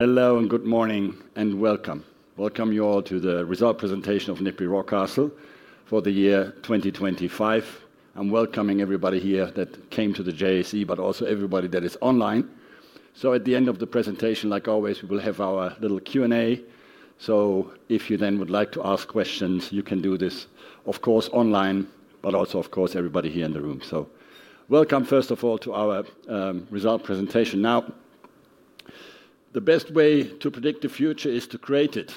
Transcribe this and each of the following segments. Hello, and good morning, and welcome. Welcome you all to the result presentation of NEPI Rockcastle for the year 2025. I'm welcoming everybody here that came to the JAC, but also everybody that is online. At the end of the presentation, like always, we will have our little Q&A. If you then would like to ask questions, you can do this, of course, online, but also, of course, everybody here in the room. Welcome, first of all, to our result presentation. Now, the best way to predict the future is to create it.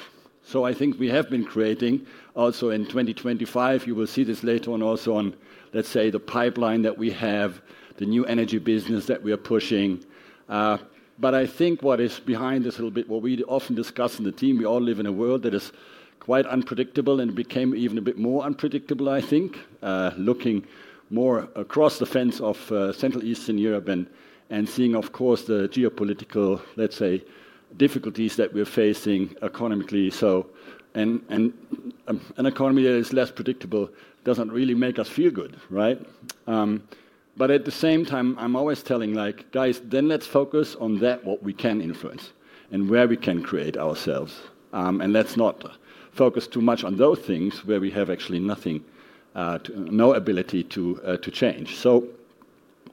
I think we have been creating also in 2025. You will see this later on, also on, let's say, the pipeline that we have, the new energy business that we are pushing. I think what is behind this a little bit, what we often discuss in the team, we all live in a world that is quite unpredictable and became even a bit more unpredictable, I think, looking more across the fence of Central Eastern Europe and seeing, of course, the geopolitical, let's say, difficulties that we're facing economically. An economy that is less predictable doesn't really make us feel good, right? At the same time, I'm always telling like: "Guys, let's focus on that, what we can influence and where we can create ourselves, let's not focus too much on those things where we have actually nothing, no ability to change."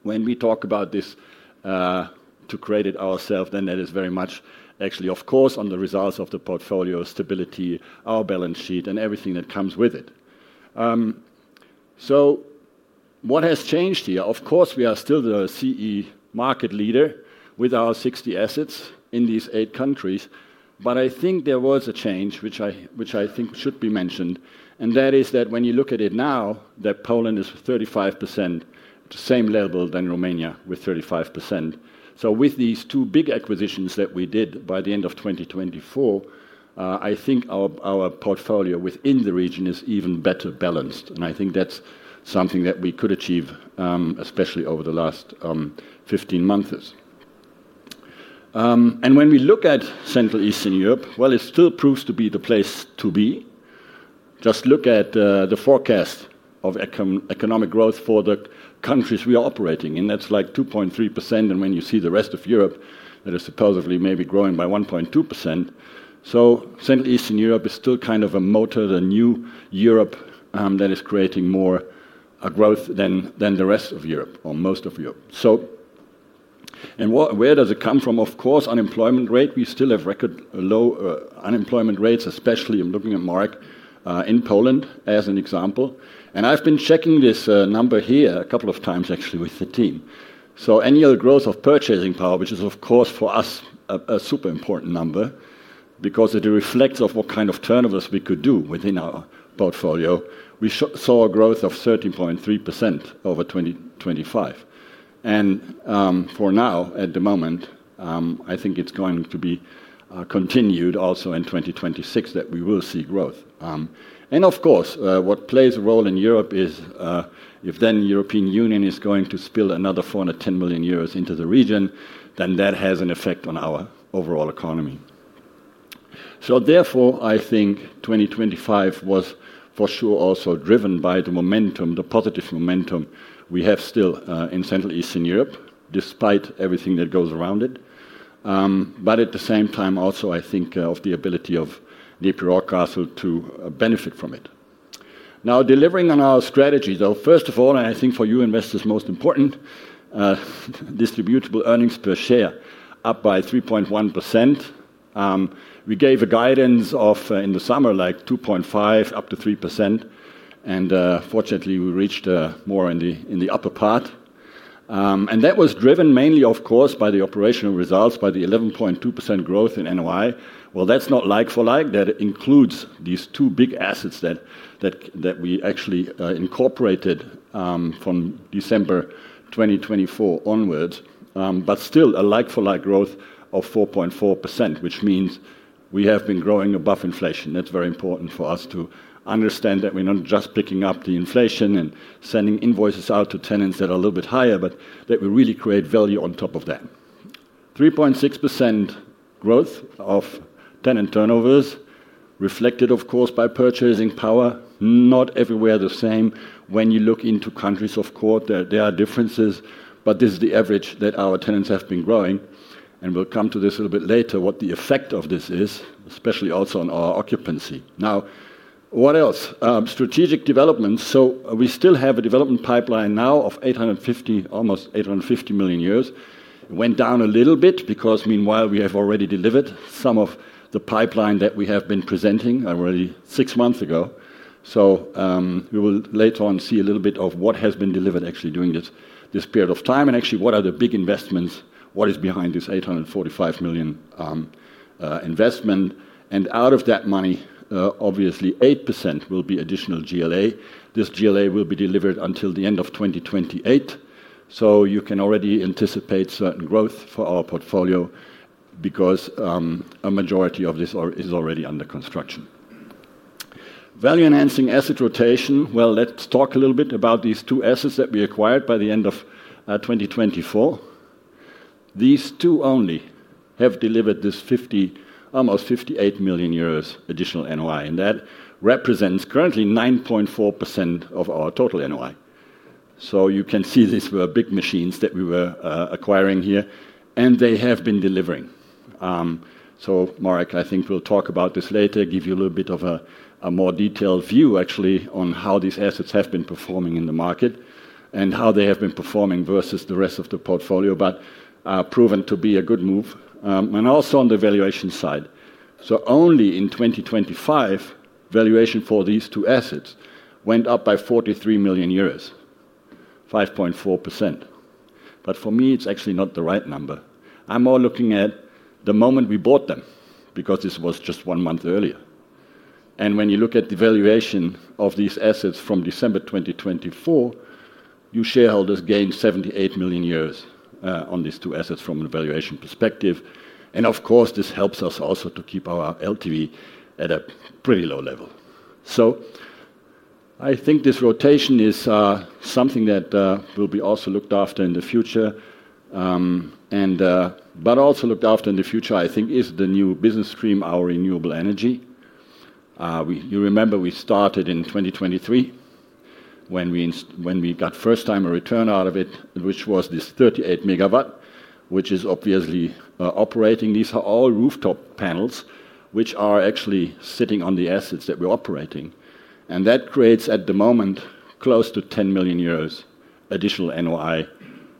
When we talk about this, to create it ourself, that is very much actually, of course, on the results of the portfolio stability, our balance sheet, and everything that comes with it. What has changed here? Of course, we are still the CE market leader with our 60 assets in these eight countries, I think there was a change, which I think should be mentioned, and that is that when you look at it now, that Poland is 35%, the same level than Romania, with 35%. With these two big acquisitions that we did by the end of 2024, I think our portfolio within the region is even better balanced, and I think that's something that we could achieve, especially over the last 15 months. When we look at Central Eastern Europe, well, it still proves to be the place to be. Just look at the forecast of economic growth for the countries we are operating in. That's like 2.3%, and when you see the rest of Europe, that is supposedly maybe growing by 1.2%. Central Eastern Europe is still kind of a motor, the new Europe, that is creating more growth than the rest of Europe or most of Europe. Where does it come from? Of course, unemployment rate. We still have record low unemployment rates, especially in looking at Marek in Poland, as an example. I've been checking this number here a couple of times, actually, with the team. Annual growth of purchasing power, which is, of course, for us, a super important number because it reflects of what kind of turnovers we could do within our portfolio. We saw a growth of 13.3% over 2025. For now, at the moment, I think it's going to be continued also in 2026, that we will see growth. Of course, what plays a role in Europe is if European Union is going to spill another 410 million euros into the region, that has an effect on our overall economy. Therefore, I think 2025 was for sure also driven by the momentum, the positive momentum we have still in Central Eastern Europe, despite everything that goes around it. At the same time also, I think of the ability of NEPI Rockcastle to benefit from it. Now, delivering on our strategy, though, first of all, and I think for you investors, most important, distributable earnings per share up by 3.1%. We gave a guidance of in the summer, like 2.5%, up to 3%, and fortunately, we reached more in the upper part. That was driven mainly, of course, by the operational results, by the 11.2% growth in NOI. Well, that's not like-for-like. That includes these two big assets that we actually incorporated from December 2024 onwards, but still a like-for-like growth of 4.4%, which means we have been growing above inflation. That's very important for us to understand that we're not just picking up the inflation and sending invoices out to tenants that are a little bit higher, but that we really create value on top of that. 3.6% growth of tenant turnovers, reflected, of course, by purchasing power, not everywhere the same. When you look into countries, of course, there are differences, but this is the average that our tenants have been growing, and we'll come to this a little bit later, what the effect of this is, especially also on our occupancy. What else? Strategic development. We still have a development pipeline now of 850, almost 850 million. It went down a little bit because meanwhile, we have already delivered some of the pipeline that we have been presenting, already six months ago. We will later on see a little bit of what has been delivered actually during this period of time, and actually, what are the big investments, what is behind this 845 million investment. Out of that money, obviously, 8% will be additional GLA. This GLA will be delivered until the end of 2028, so you can already anticipate certain growth for our portfolio because a majority of this is already under construction. Value-enhancing asset rotation. Well, let's talk a little bit about these two assets that we acquired by the end of 2024. These two only have delivered this almost 58 million euros additional NOI, and that represents currently 9.4% of our total NOI. You can see these were big machines that we were acquiring here, and they have been delivering. Marek, I think we'll talk about this later, give you a little bit of a more detailed view actually, on how these assets have been performing in the market and how they have been performing versus the rest of the portfolio, proven to be a good move. Also on the valuation side. Only in 2025, valuation for these two assets went up by 43 million euros, 5.4%. For me, it's actually not the right number. I'm more looking at the moment we bought them, because this was just one month earlier. When you look at the valuation of these assets from December 2024, you shareholders gained 78 million on these two assets from a valuation perspective. Of course, this helps us also to keep our LTV at a pretty low level. I think this rotation is something that will be also looked after in the future. Also looked after in the future, I think, is the new business stream, our renewable energy. You remember we started in 2023, when we got first time a return out of it, which was this 38 MW, which is obviously operating. These are all rooftop panels, which are actually sitting on the assets that we're operating. That creates, at the moment, close to 10 million euros additional NOI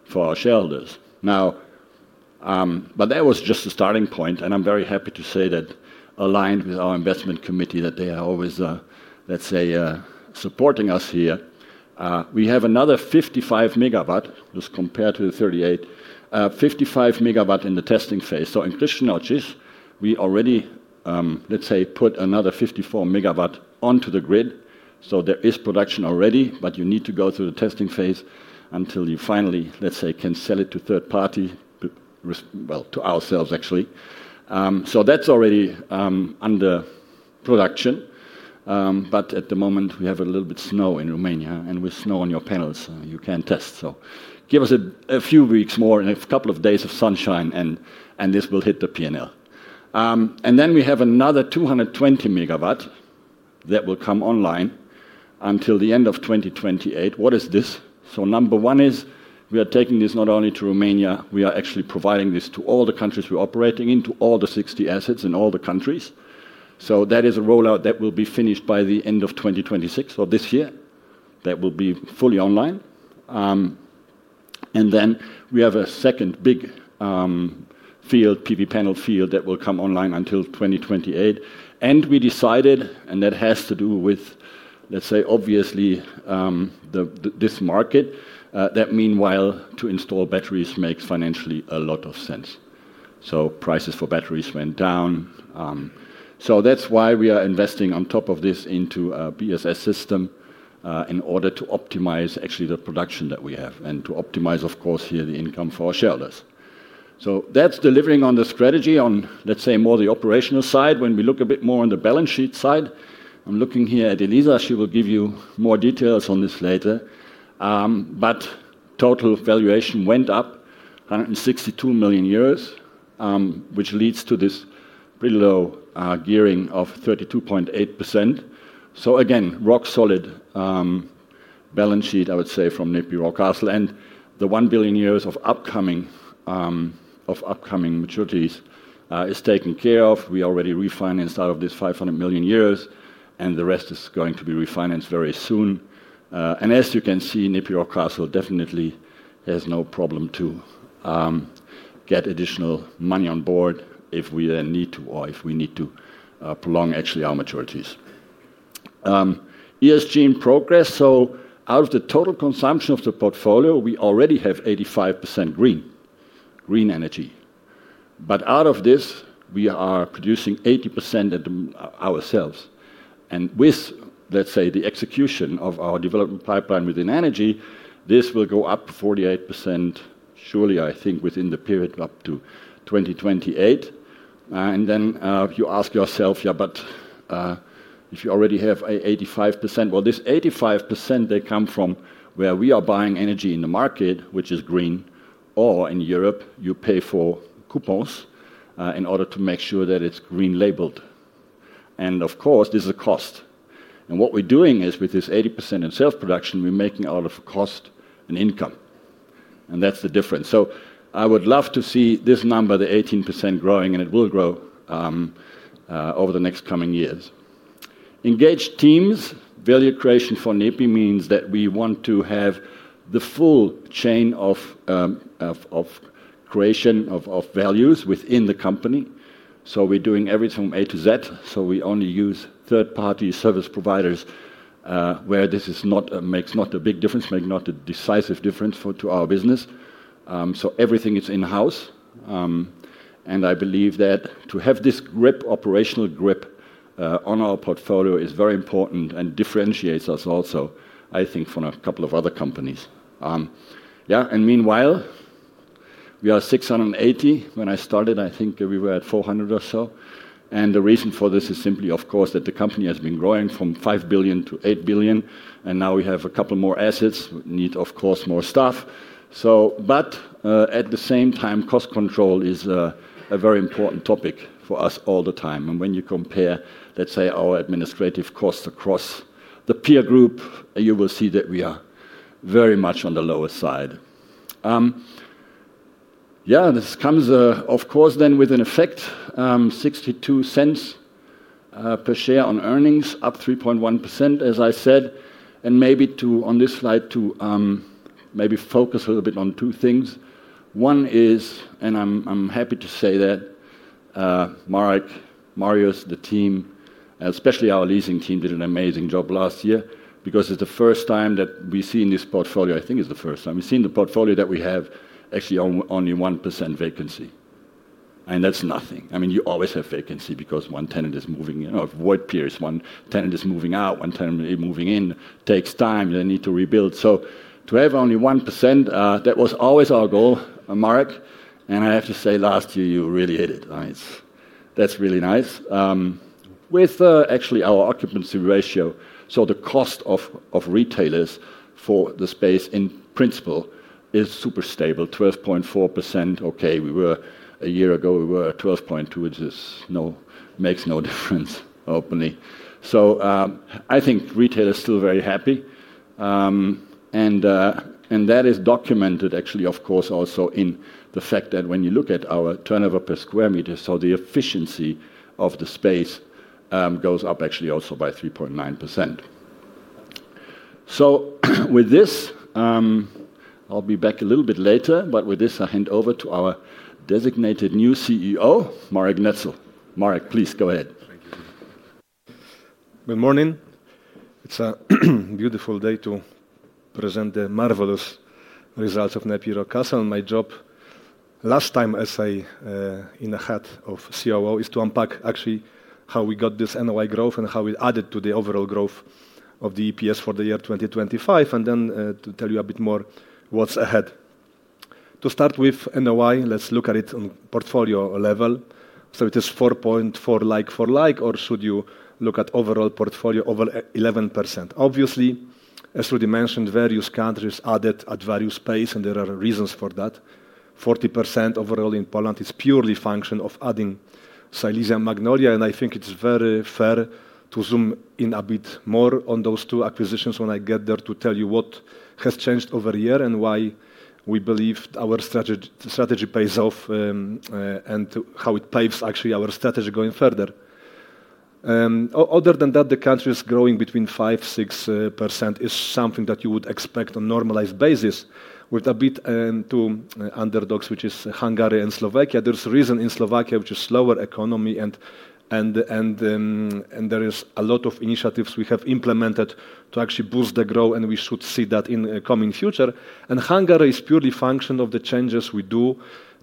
for our shareholders. That was just a starting point, and I'm very happy to say that aligned with our investment committee, that they are always, let's say, supporting us here. We have another 55 MW, just compared to the 38 MW, 55 MW in the testing phase. In Chișineu-Criș, we already, let's say, put another 54 MW onto the grid. There is production already, but you need to go through the testing phase until you finally, let's say, can sell it to third party, well, to ourselves, actually. That's already under production. At the moment, we have a little bit snow in Romania, and with snow on your panels, you can't test. Give us a few weeks more and a couple of days of sunshine, and this will hit the P&L. We have another 220 MW that will come online until the end of 2028. What is this? Number one is, we are taking this not only to Romania, we are actually providing this to all the countries we're operating in, to all the 60 assets in all the countries. That is a rollout that will be finished by the end of 2026, so this year, that will be fully online. We have a second big field, PV panel field, that will come online until 2028. We decided, and that has to do with, let's say, obviously, this market, that meanwhile, to install batteries makes financially a lot of sense. Prices for batteries went down. That's why we are investing on top of this into a BSS system in order to optimize actually the production that we have, and to optimize, of course, here, the income for our shareholders. That's delivering on the strategy on, let's say, more the operational side. When we look a bit more on the balance sheet side, I'm looking here at Eliza, she will give you more details on this later. Total valuation went up 162 million euros, which leads to this pretty low gearing of 32.8%. Again, rock solid balance sheet, I would say, from NEPI Rockcastle. The 1 billion of upcoming maturities is taken care of. We already refinanced out of this 500 million, and the rest is going to be refinanced very soon. As you can see, NEPI Rockcastle definitely has no problem to get additional money on board if we then need to, or if we need to prolong actually our maturities. ESG in progress. Out of the total consumption of the portfolio, we already have 85% green energy. Out of this, we are producing 80% ourselves. With, let's say, the execution of our development pipeline within energy, this will go up 48%, surely, I think, within the period up to 2028. You ask yourself: if you already have 85%. This 85%, they come from where we are buying energy in the market, which is green, or in Europe, you pay for coupons in order to make sure that it's green labeled. Of course, this is a cost. What we're doing is, with this 80% in self-production, we're making out of cost an income, and that's the difference. I would love to see this number, the 18%, growing, and it will grow over the next coming years. Engaged teams. Value creation for NEPI means that we want to have the full chain of creation of values within the company. We're doing everything from A to Z, we only use third-party service providers where this makes not a big difference, make not a decisive difference for, to our business. Everything is in-house. I believe that to have this grip, operational grip on our portfolio is very important and differentiates us also, I think, from a couple of other companies. Meanwhile, we are 680. When I started, I think we were at 400 or so. The reason for this is simply, of course, that the company has been growing from 5 billion-8 billion, now we have a couple more assets. We need, of course, more staff. At the same time, cost control is a very important topic for us all the time. When you compare, let's say, our administrative costs across the peer group, you will see that we are very much on the lower side. This comes, of course, then with an effect, 0.62 per share on earnings, up 3.1%, as I said. Maybe to, on this slide, to, maybe focus a little bit on two things. One is, I'm happy to say that Marek, Marius, the team, especially our leasing team, did an amazing job last year, because it's the first time that we see in this portfolio, I think it's the first time, we've seen the portfolio that we have actually on, only 1% vacancy, and that's nothing. I mean, you always have vacancy because one tenant is moving in or void periods. One tenant is moving out, one tenant is moving in, takes time, they need to rebuild. To have only 1%, that was always our goal, Marek, and I have to say, last year, you really hit it, right. That's really nice. With actually our occupancy ratio, so the cost of retailers for the space, in principle, is super stable, 12.4%. Okay, we were, a year ago, we were at 12.2, which makes no difference, openly. I think retail is still very happy. That is documented actually, of course, also in the fact that when you look at our turnover per square meter, so the efficiency of the space, goes up actually also by 3.9%. With this, I'll be back a little bit later, but with this, I hand over to our designated new CEO, Marek Noetzel. Marek, please go ahead. Thank you. Good morning. It's a beautiful day to present the marvelous results of NEPI Rockcastle. My job, last time as I, in the hat of COO, is to unpack actually how we got this NOI growth and how it added to the overall growth of the EPS for the year 2025, and then to tell you a bit more what's ahead. To start with NOI, let's look at it on portfolio level. It is 4.4%, like for like, or should you look at overall portfolio over 11%? Obviously, as Rudy mentioned, various countries added at various pace, and there are reasons for that. 40% overall in Poland is purely function of adding Silesia Magnolia, and I think it's very fair to zoom in a bit more on those two acquisitions when I get there, to tell you what has changed over the year and why we believe our strategy pays off, and how it paves actually our strategy going further. Other than that, the country is growing between 5%-6%, is something that you would expect on a normalized basis, with a bit to underdogs, which is Hungary and Slovakia. There's a reason in Slovakia, which is slower economy and there is a lot of initiatives we have implemented to actually boost the growth, and we should see that in the coming future. Hungary is purely function of the changes we do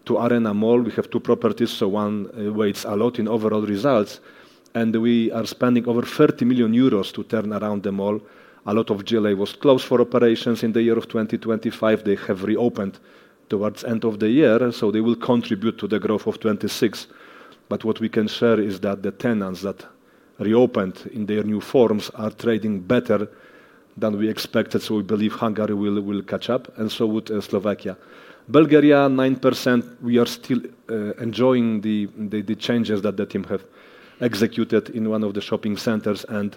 to Arena Mall. We have two properties. One weighs a lot in overall results, and we are spending over 30 million euros to turn around the mall. A lot of GLA was closed for operations in the year of 2025. They have reopened towards end of the year. They will contribute to the growth of 2026. What we can share is that the tenants that reopened in their new forms are trading better than we expected. We believe Hungary will catch up. So would Slovakia. Bulgaria, 9%, we are still enjoying the changes that the team have executed in one of the shopping centers. As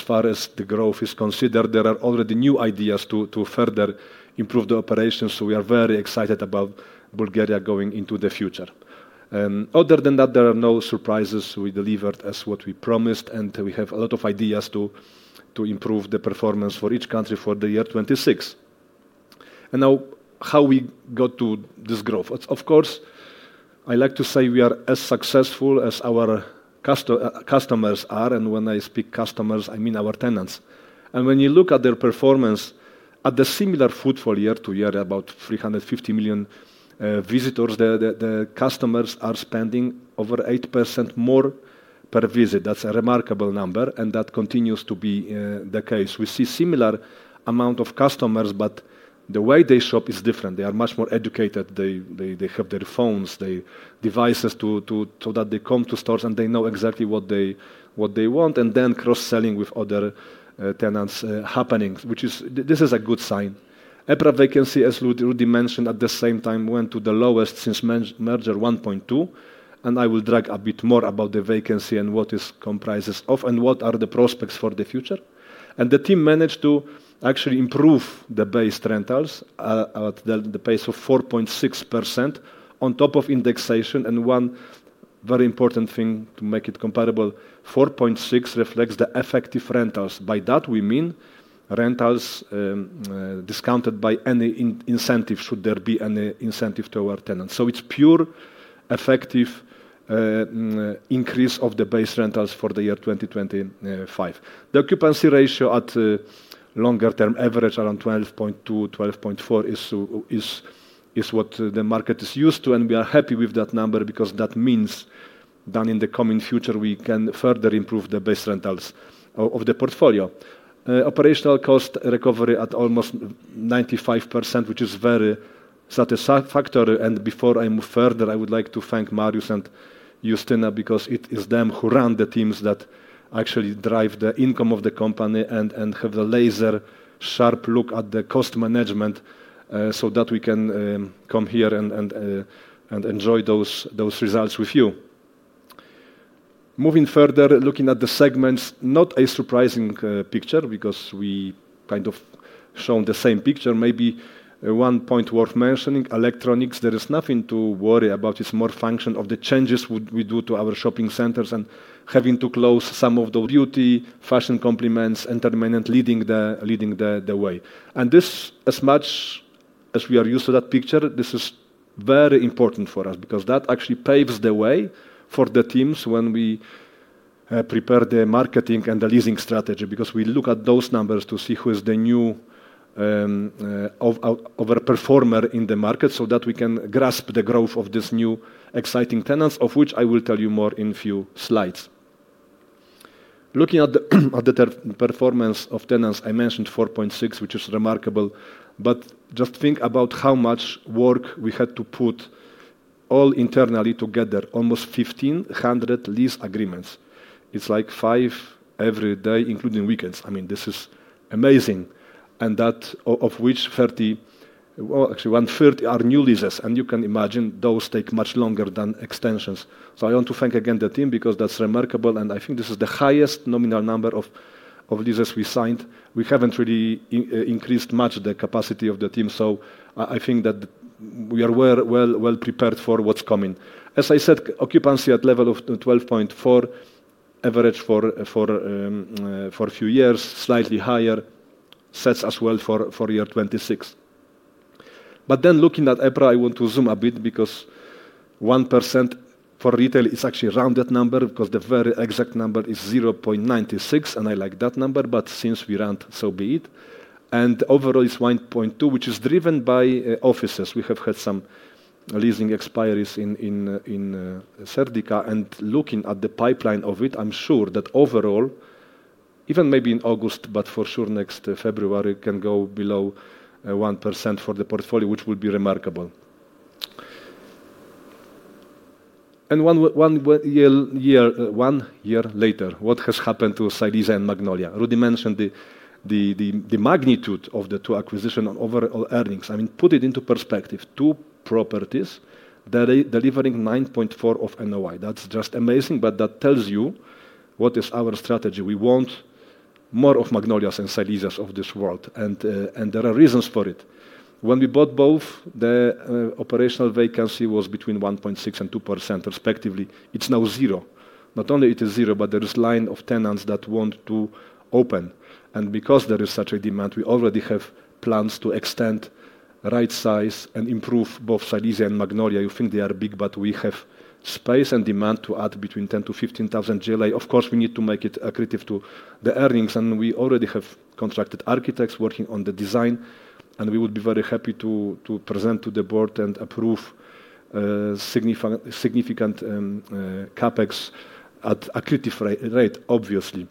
far as the growth is considered, there are already new ideas to further improve the operations. We are very excited about Bulgaria going into the future. Other than that, there are no surprises. We delivered as what we promised, and we have a lot of ideas to improve the performance for each country for the year 2026. Now, how we got to this growth? Of course, I like to say we are as successful as our customers are, and when I speak customers, I mean our tenants. When you look at their performance at the similar footfall year to year, about 350 million visitors, the customers are spending over 8% more per visit. That's a remarkable number, and it continues to be the case. We see similar amount of customers, but the way they shop is different. They are much more educated. They have their phones, their devices to so that they come to stores, and they know exactly what they want, and then cross-selling with other tenants happening, which is this is a good sign. EPRA vacancy, as Rudy mentioned, at the same time, went to the lowest since merger 1.2, I will drag a bit more about the vacancy and what is comprises of, and what are the prospects for the future. The team managed to actually improve the base rentals at the pace of 4.6% on top of indexation. One very important thing to make it comparable, 4.6 reflects the effective rentals. By that we mean rentals discounted by any incentive, should there be any incentive to our tenants. It's pure effective increase of the base rentals for the year 2025. The occupancy ratio at longer term average, around 12.2, 12.4, is what the market is used to, and we are happy with that number because that means that in the coming future, we can further improve the base rentals of the portfolio. Operational cost recovery at almost 95%, which is very satisfactory. Before I move further, I would like to thank Marius and Justyna because it is them who run the teams that actually drive the income of the company and have the laser-sharp look at the cost management so that we can come here and enjoy those results with you. Moving further, looking at the segments, not a surprising picture because we kind of shown the same picture. Maybe one point worth mentioning, electronics, there is nothing to worry about. It's more function of the changes we do to our shopping centers and having to close some of the beauty, fashion complements, entertainment, leading the way. This, as much as we are used to that picture, this is very important for us because that actually paves the way for the teams when we prepare the marketing and the leasing strategy. We look at those numbers to see who is the new over performer in the market, so that we can grasp the growth of this new exciting tenants, of which I will tell you more in few slides. Looking at the performance of tenants, I mentioned 4.6, which is remarkable, but just think about how much work we had to put all internally together. Almost 1,500 lease agreements. It's like five every day, including weekends. I mean, this is amazing, and that of which 1/3 are new leases, and you can imagine those take much longer than extensions. I want to thank again the team because that's remarkable, and I think this is the highest nominal number of leases we signed. We haven't really increased much the capacity of the team, so I think that we are well prepared for what's coming. As I said, occupancy at level of 12.4, average for a few years, slightly higher, sets as well for year 2026. Looking at EPRA, I want to zoom a bit because 1% for retail is actually a rounded number, because the very exact number is 0.96. I like that number, since we round, so be it. Overall, it's 1.2%, which is driven by offices. We have had some leasing expiries in Serdika, looking at the pipeline of it, I'm sure that overall, even maybe in August, for sure next February, can go below 1% for the portfolio, which will be remarkable. One year later, what has happened to Silesia and Magnolia? Rudy mentioned the magnitude of the two acquisition on overall earnings. I mean, put it into perspective, two properties delivering 9.4 million of NOI. That's just amazing, that tells you what is our strategy. We want more of Magnolias and Silesias of this world, there are reasons for it. When we bought both, the operational vacancy was between 1.6% and 2% respectively. It's now zero. Not only it is zero, there is line of tenants that want to open. Because there is such a demand, we already have plans to extend, rightsize, and improve both Silesia and Magnolia. You think they are big, we have space and demand to add between 10,000-15,000 GLA. Of course, we need to make it accretive to the earnings, we already have contracted architects working on the design, we would be very happy to present to the board and approve significant CapEx at accretive rate, obviously.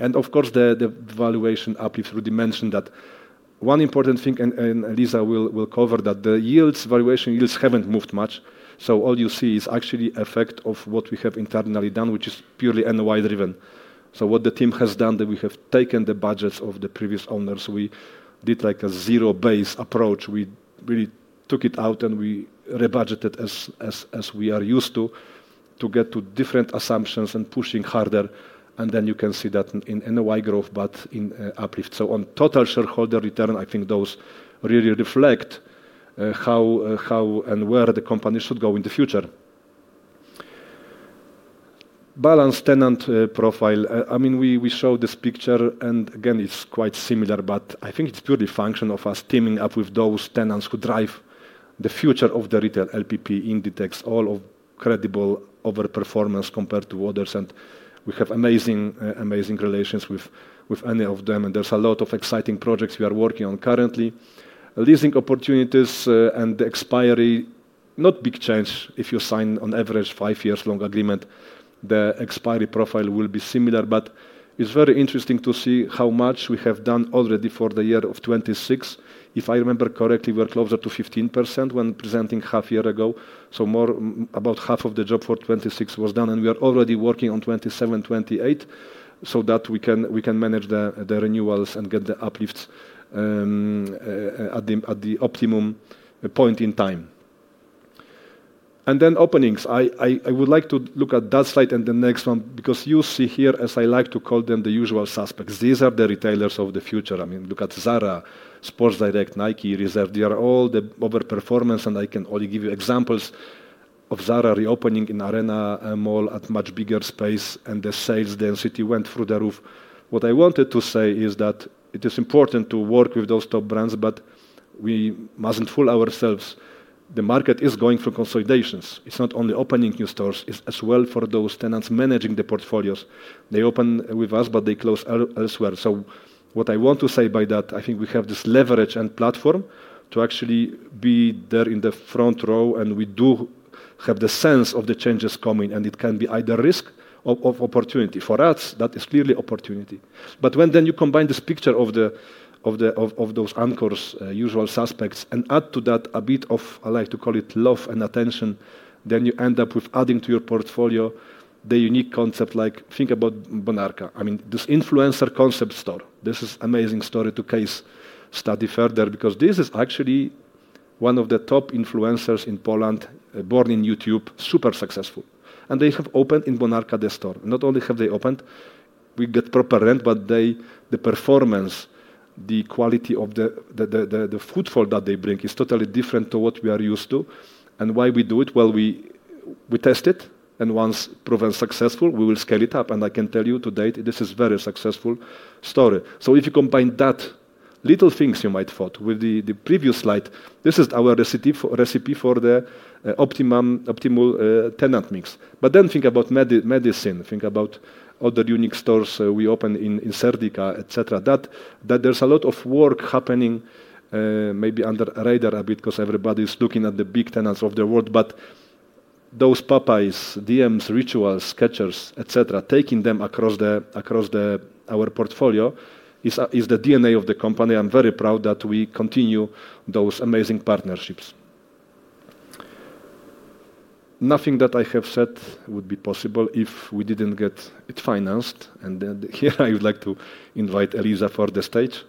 Of course, the valuation uplift, Rudy mentioned that. One important thing, Eliza will cover, that the yields, valuation yields haven't moved much. All you see is actually effect of what we have internally done, which is purely NOI driven. What the team has done, that we have taken the budgets of the previous owners. We did, like, a zero-base approach. We really took it out, and we rebudgeted as we are used to get to different assumptions and pushing harder, and then you can see that in NOI growth, but in uplift. On total shareholder return, I think those really reflect how and where the company should go in the future. Balanced tenant profile. I mean, we show this picture, and again, it's quite similar, but I think it's purely function of us teaming up with those tenants who drive the future of the retail, LPP Inditex, all of credible over-performance compared to others, and we have amazing relations with any of them, and there's a lot of exciting projects we are working on currently. Leasing opportunities, and the expiry, not big change. If you sign on average five years long agreement, the expiry profile will be similar, but it's very interesting to see how much we have done already for the year of 2026. If I remember correctly, we are closer to 15% when presenting half year ago, more, about half of the job for 2026 was done, we are already working on 2027, 2028 so that we can manage the renewals and get the uplifts at the optimum point in time. Openings. I would like to look at that slide and the next one. You see here, as I like to call them, the usual suspects. These are the retailers of the future. I mean, look at Zara, Sports Direct, Nike, Reserved. They are all the overperformance. I can only give you examples of Zara reopening in Arena Mall at much bigger space, the sales density went through the roof. What I wanted to say is that it is important to work with those top brands, but we mustn't fool ourselves. The market is going through consolidations. It's not only opening new stores, it's as well for those tenants managing the portfolios. They open with us, but they close elsewhere. What I want to say by that, I think we have this leverage and platform to actually be there in the front row, and we do have the sense of the changes coming, and it can be either risk or opportunity. For us, that is clearly opportunity. When then you combine this picture of the, of those anchors, usual suspects, and add to that a bit of, I like to call it, love and attention, then you end up with adding to your portfolio the unique concept, like think about Bonarka. I mean, this influencer concept store. This is amazing story to case study further, because this is one of the top influencers in Poland, born in YouTube, super successful. They have opened in Bonarka the store. Not only have they opened, we get proper rent, but the performance, the quality of the footfall that they bring is totally different to what we are used to. Why we do it? Well, we test it, and once proven successful, we will scale it up. I can tell you to date, this is very successful story. If you combine that, little things you might thought with the previous slide, this is our recipe for the optimum, optimal tenant mix. Think about medicine, think about other unique stores, we opened in Serdika, etc. There's a lot of work happening, maybe under the radar a bit 'cause everybody's looking at the big tenants of the world. Those Popeyes, DMS, Rituals, Skechers, etc., taking them across our portfolio is the DNA of the company. I'm very proud that we continue those amazing partnerships. Nothing that I have said would be possible if we didn't get it financed. Here, I would like to invite Eliza for the stage.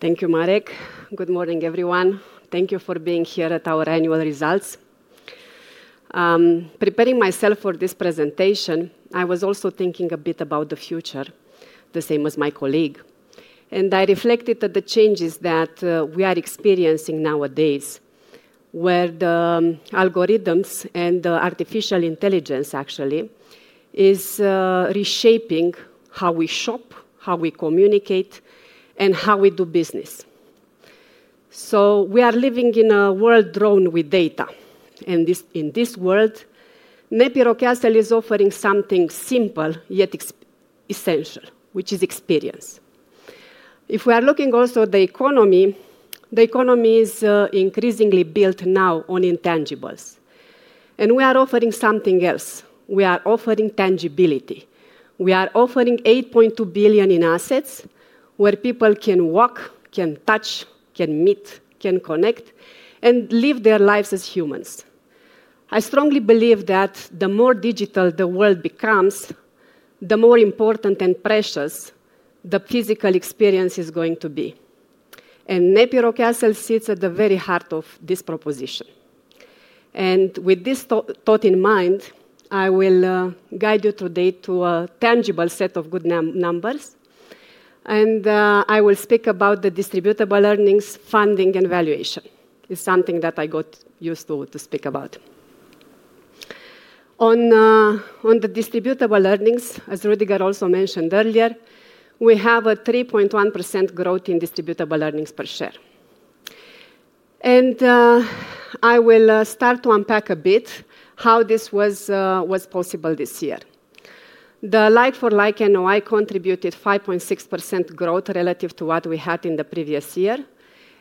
Thank you, Marek. Good morning, everyone. Thank you for being here at our annual results. Preparing myself for this presentation, I was also thinking a bit about the future, the same as my colleague. I reflected at the changes that we are experiencing nowadays, where the algorithms and the artificial intelligence actually is reshaping how we shop, how we communicate, and how we do business. We are living in a world drawn with data. In this world, NEPI Rockcastle is offering something simple, yet essential, which is experience. If we are looking also at the economy, the economy is increasingly built now on intangibles. We are offering something else. We are offering 8.2 billion in assets, where people can walk, can touch, can meet, can connect, and live their lives as humans. I strongly believe that the more digital the world becomes, the more important and precious the physical experience is going to be. NEPI Rockcastle sits at the very heart of this proposition. With this thought in mind, I will guide you today to a tangible set of good numbers, and I will speak about the distributable earnings, funding, and valuation. It's something that I got used to speak about. On the distributable earnings, as Rüdiger also mentioned earlier, we have a 3.1% growth in distributable earnings per share. I will start to unpack a bit how this was possible this year. The like-for-like NOI contributed 5.6% growth relative to what we had in the previous year,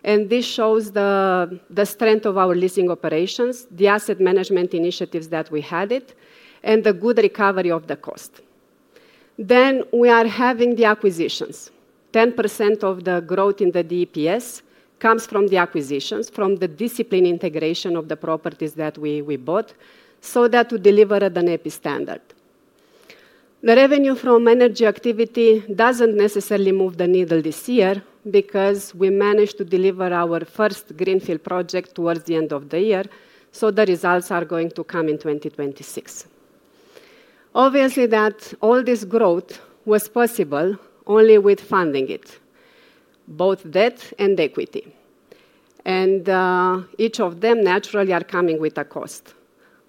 and this shows the strength of our leasing operations, the asset management initiatives that we had it, and the good recovery of the cost. We are having the acquisitions. 10% of the growth in the DPS comes from the acquisitions, from the discipline integration of the properties that we bought, so that to deliver at the NEPI standard. The revenue from energy activity doesn't necessarily move the needle this year because we managed to deliver our first greenfield project towards the end of the year, so the results are going to come in 2026. Obviously, that all this growth was possible only with funding it, both debt and equity. Each of them naturally are coming with a cost: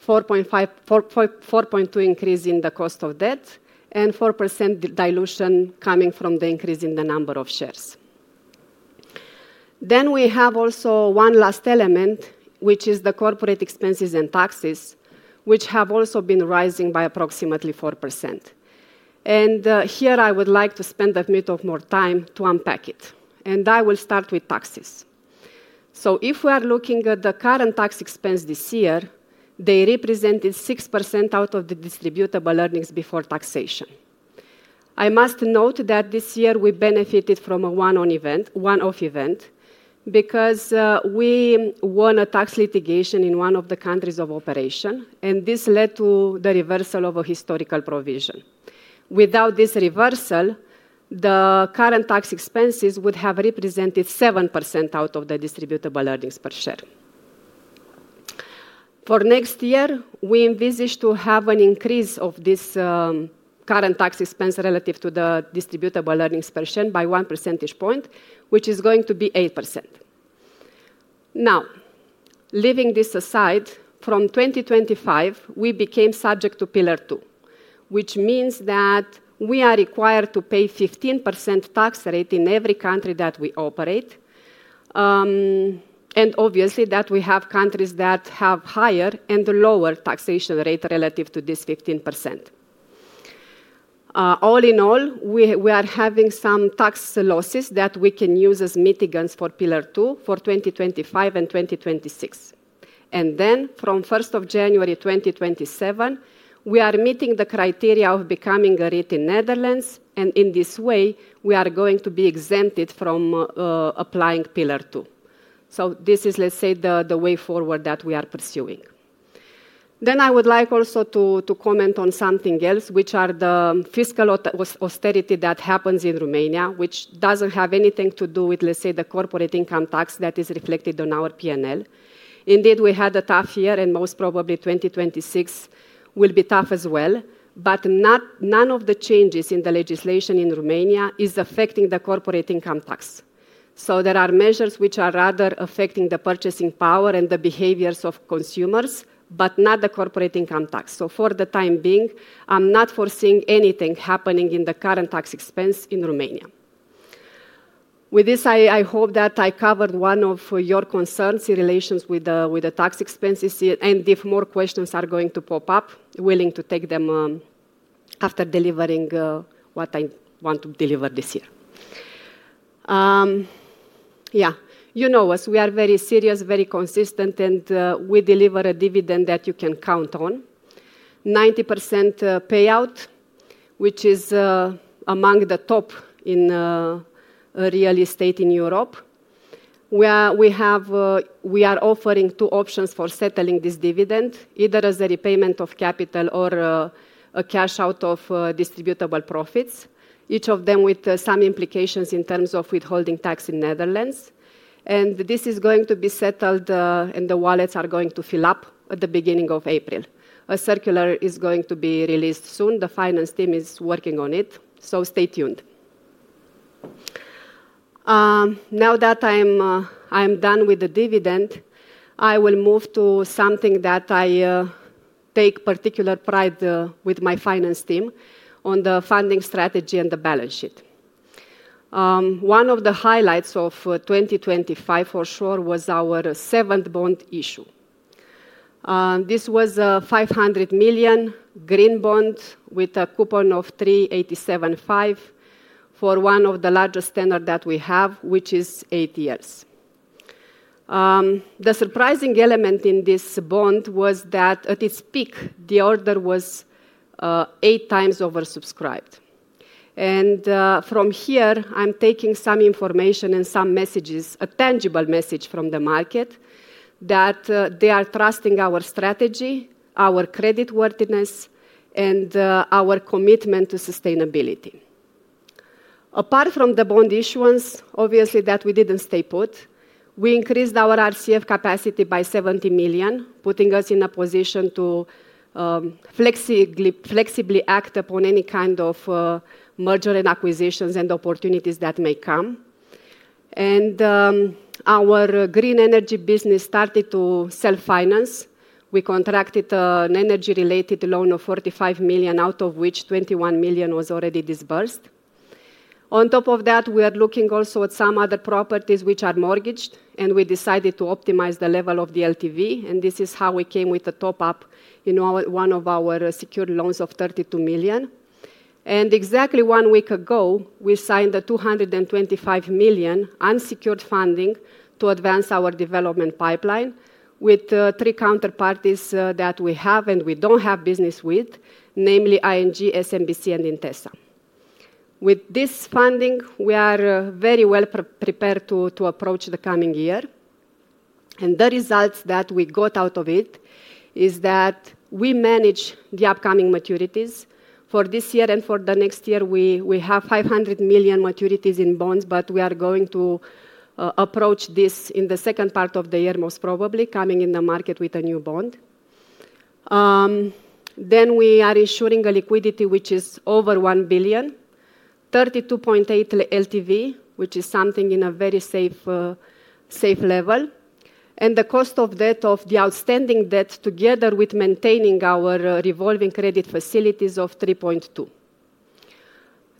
4.2% increase in the cost of debt and 4% dilution coming from the increase in the number of shares. We have also one last element, which is the corporate expenses and taxes, which have also been rising by approximately 4%. Here, I would like to spend a bit of more time to unpack it, and I will start with taxes. If we are looking at the current tax expense this year, they represented 6% out of the distributable earnings before taxation. I must note that this year we benefited from a one-off event, because we won a tax litigation in one of the countries of operation, this led to the reversal of a historical provision. Without this reversal, the current tax expenses would have represented 7% out of the distributable earnings per share. For next year, we envisage to have an increase of this current tax expense relative to the distributable earnings per share by one percentage point, which is going to be 8%. Leaving this aside, from 2025, we became subject to Pillar Two, which means that we are required to pay 15% tax rate in every country that we operate. Obviously, that we have countries that have higher and lower taxation rate relative to this 15%. All in all, we are having some tax losses that we can use as mitigants for Pillar Two for 2025 and 2026. From January 1st, 2027, we are meeting the criteria of becoming a REIT in Netherlands, and in this way, we are going to be exempted from applying Pillar Two. This is, let's say, the way forward that we are pursuing. I would like also to comment on something else, which are the fiscal austerity that happens in Romania, which doesn't have anything to do with, let's say, the corporate income tax that is reflected on our P&L. Indeed, we had a tough year, and most probably 2026 will be tough as well. None of the changes in the legislation in Romania is affecting the corporate income tax. There are measures which are rather affecting the purchasing power and the behaviors of consumers, but not the corporate income tax. For the time being, I'm not foreseeing anything happening in the current tax expense in Romania. With this, I hope that I covered one of your concerns in relations with the tax expenses here. If more questions are going to pop up, willing to take them after delivering what I want to deliver this year. Yeah, you know us, we are very serious, very consistent, and we deliver a dividend that you can count on. 90% payout, which is among the top in real estate in Europe. We are offering two options for settling this dividend, either as a repayment of capital or a cash out of distributable profits, each of them with some implications in terms of withholding tax in Netherlands. This is going to be settled, and the wallets are going to fill up at the beginning of April. A circular is going to be released soon. The finance team is working on it, stay tuned. Now that I'm done with the dividend, I will move to something that I take particular pride with my finance team on the funding strategy and the balance sheet. One of the highlights of 2025, for sure, was our seventh bond issue. This was a 500 million green bond with a coupon of 3.875% for one of the largest standard that we have, which is eight years. The surprising element in this bond was that at its peak, the order was 8x oversubscribed. From here, I'm taking some information and some messages, a tangible message from the market, that they are trusting our strategy, our creditworthiness, and our commitment to sustainability. Apart from the bond issuance, obviously, that we didn't stay put, we increased our RCF capacity by 70 million, putting us in a position to flexibly act upon any kind of merger and acquisitions and opportunities that may come. Our green energy business started to self-finance. We contracted an energy-related loan of 45 million, out of which 21 million was already disbursed. On top of that, we are looking also at some other properties which are mortgaged, and we decided to optimize the level of the LTV, and this is how we came with a top-up in one of our secured loans of 32 million. Exactly one week ago, we signed a 225 million unsecured funding to advance our development pipeline with three counterparties that we have and we don't have business with, namely ING, SMBC, and Intesa. With this funding, we are very well prepared to approach the coming year, and the results that we got out of it is that we manage the upcoming maturities. For this year and for the next year, we have 500 million maturities in bonds, we are going to approach this in the second part of the year, most probably coming in the market with a new bond. We are ensuring a liquidity which is over 1 billion, 32.8% LTV, which is something in a very safe level, and the cost of debt of the outstanding debt, together with maintaining our revolving credit facilities of 3.2.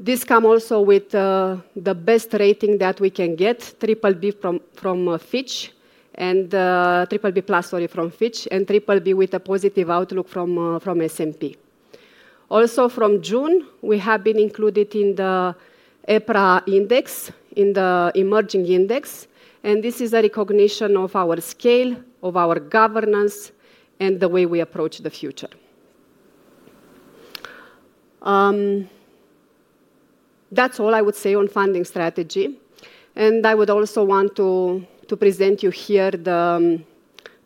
This come also with the best rating that we can get, BBB from Fitch, and BBB+, sorry, from Fitch, and BBB with a positive outlook from S&P. From June, we have been included in the EPRA index, in the emerging index, and this is a recognition of our scale, of our governance, and the way we approach the future. That's all I would say on funding strategy, and I would also want to present you here the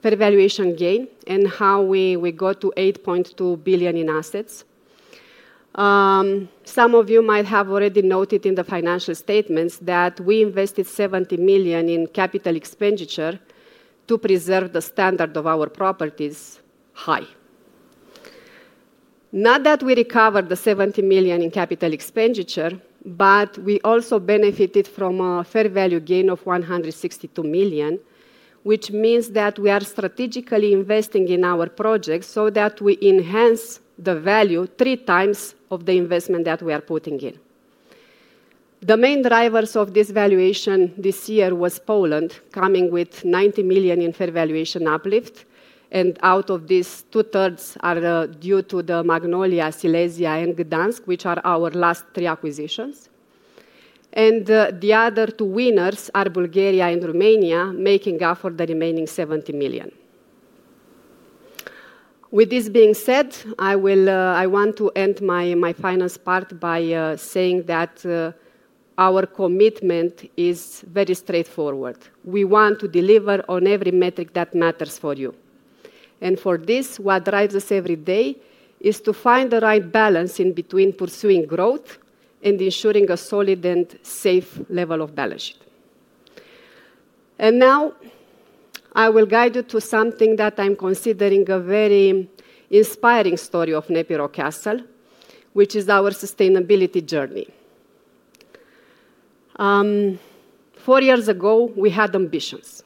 fair valuation gain and how we got to 8.2 billion in assets. Some of you might have already noted in the financial statements that we invested 70 million in capital expenditure to preserve the standard of our properties high. Not that we recovered the 70 million in capital expenditure, but we also benefited from a fair value gain of 162 million, which means that we are strategically investing in our projects so that we enhance the value 3x of the investment that we are putting in. The main drivers of this valuation this year was Poland, coming with 90 million in fair valuation uplift. Out of these, two-thirds are due to the Magnolia, Silesia, and Gdansk, which are our last three acquisitions. The other two winners are Bulgaria and Romania, making up for the remaining 70 million. With this being said, I want to end my finance part by saying that our commitment is very straightforward: We want to deliver on every metric that matters for you. For this, what drives us every day is to find the right balance in between pursuing growth and ensuring a solid and safe level of balance sheet. Now, I will guide you to something that I'm considering a very inspiring story of NEPI Rockcastle, which is our sustainability journey. Four years ago, we had ambitions.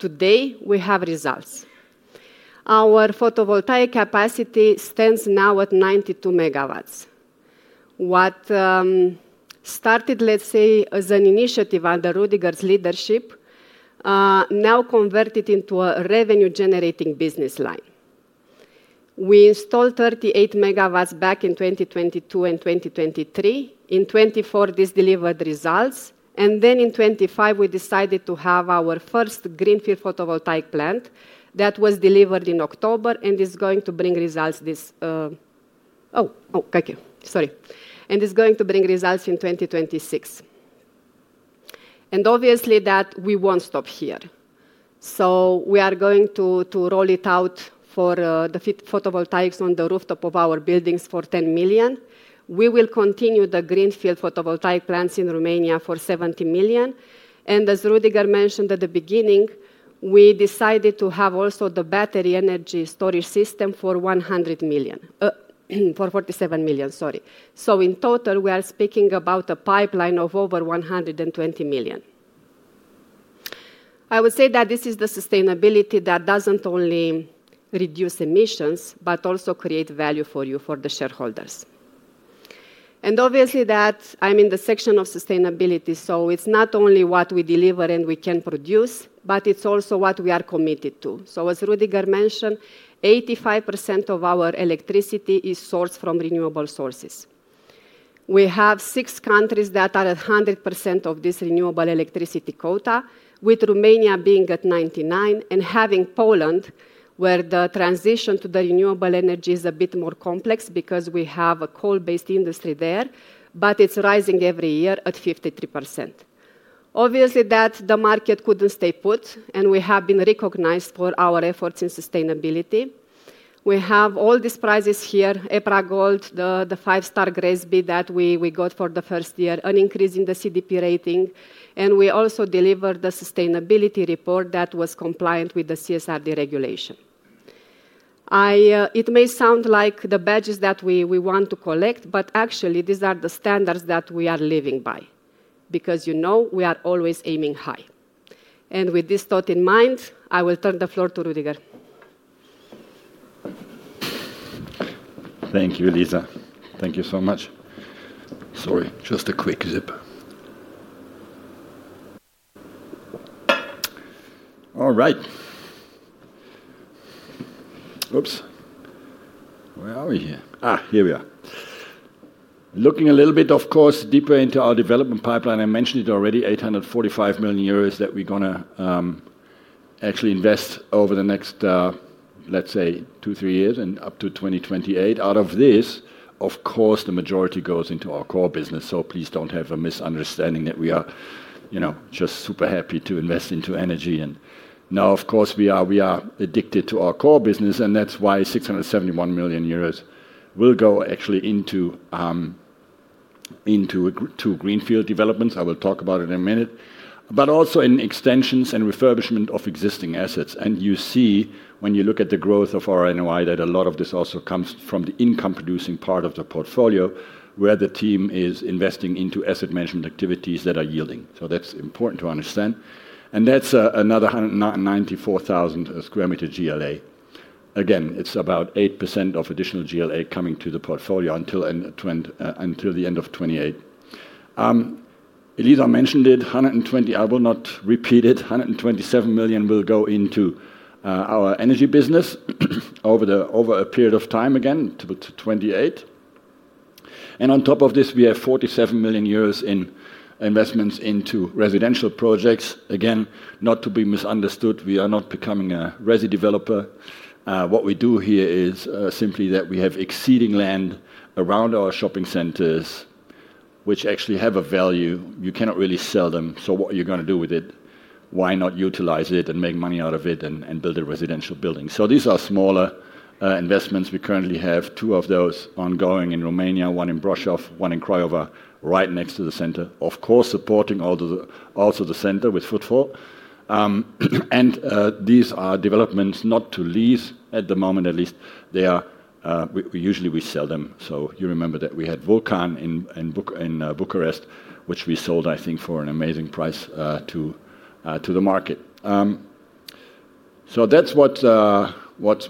Today, we have results. Our photovoltaic capacity stands now at 92 MWs. What started, let's say, as an initiative under Rüdiger's leadership, now converted into a revenue-generating business line. We installed 38 MWs back in 2022 and 2023. In 2024, this delivered results. In 2025, we decided to have our first greenfield photovoltaic plant that was delivered in October and is going to bring results in 2026. Obviously, that we won't stop here. We are going to roll it out for photovoltaics on the rooftop of our buildings for 10 million. We will continue the greenfield photovoltaic plants in Romania for 70 million. As Rüdiger mentioned at the beginning, we decided to have also the battery energy storage system for 100 million, for 47 million, sorry. In total, we are speaking about a pipeline of over 120 million. I would say that this is the sustainability that doesn't only reduce emissions, but also create value for you, for the shareholders. Obviously, that I'm in the section of sustainability, it's not only what we deliver and we can produce, but it's also what we are committed to. As Rüdiger mentioned, 85% of our electricity is sourced from renewable sources. We have six countries that are at 100% of this renewable electricity quota, with Romania being at 99% and having Poland, where the transition to the renewable energy is a bit more complex because we have a coal-based industry there, but it's rising every year at 53%. Obviously, that the market couldn't stay put, and we have been recognized for our efforts in sustainability. We have all these prizes here, EPRA Gold, the 5-star GRESB that we got for the first year, an increase in the CDP rating, and we also delivered the sustainability report that was compliant with the CSRD regulation. I, it may sound like the badges that we want to collect, but actually, these are the standards that we are living by because, you know, we are always aiming high. With this thought in mind, I will turn the floor to Rüdiger. Thank you, Eliza. Thank you so much. Sorry, just a quick zip. All right. Oops, where are we here? Here we are. Looking a little bit, of course, deeper into our development pipeline, I mentioned it already, 845 million euros that we're gonna actually invest over the next, let's say, 2, 3 years and up to 2028. Out of this, of course, the majority goes into our core business, please don't have a misunderstanding that we are, you know, just super happy to invest into energy. Now, of course, we are addicted to our core business, and that's why 671 million euros will go actually into greenfield developments. I will talk about it in a minute. Also in extensions and refurbishment of existing assets, and you see, when you look at the growth of our NOI, that a lot of this also comes from the income-producing part of the portfolio, where the team is investing into asset management activities that are yielding. That's important to understand. That's another 94,000 square meter GLA. Again, it's about 8% of additional GLA coming to the portfolio until the end of 2028. Eliza mentioned it. 127 million will go into our energy business over a period of time, again, to about 2028. On top of this, we have 47 million euros in investments into residential projects. Again, not to be misunderstood, we are not becoming a resi developer. What we do here is simply that we have exceeding land around our shopping centers, which actually have a value. You cannot really sell them, what are you gonna do with it? Why not utilize it and make money out of it and build a residential building? These are smaller investments. We currently have two of those ongoing in Romania, one in Brașov, one in Craiova, right next to the center. Of course, supporting all the, also the center with footfall. And these are developments not to lease at the moment. At least, they are. We usually we sell them. You remember that we had Vulcan in Bucharest, which we sold, I think, for an amazing price to the market. That's what's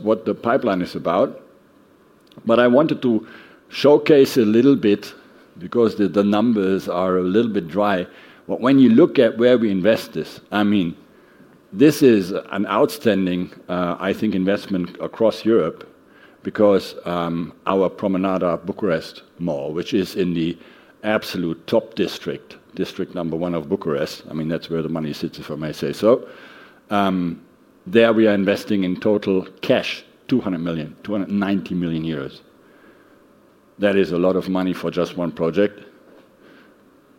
what the pipeline is about. I wanted to showcase a little bit because the numbers are a little bit dry. When you look at where we invest this, I mean, this is an outstanding, I think, investment across Europe because our Promenada Bucharest Mall, which is in the absolute top district number one of Bucharest, I mean, that's where the money sits, if I may say so. There we are investing in total cash, 290 million euros. That is a lot of money for just one project.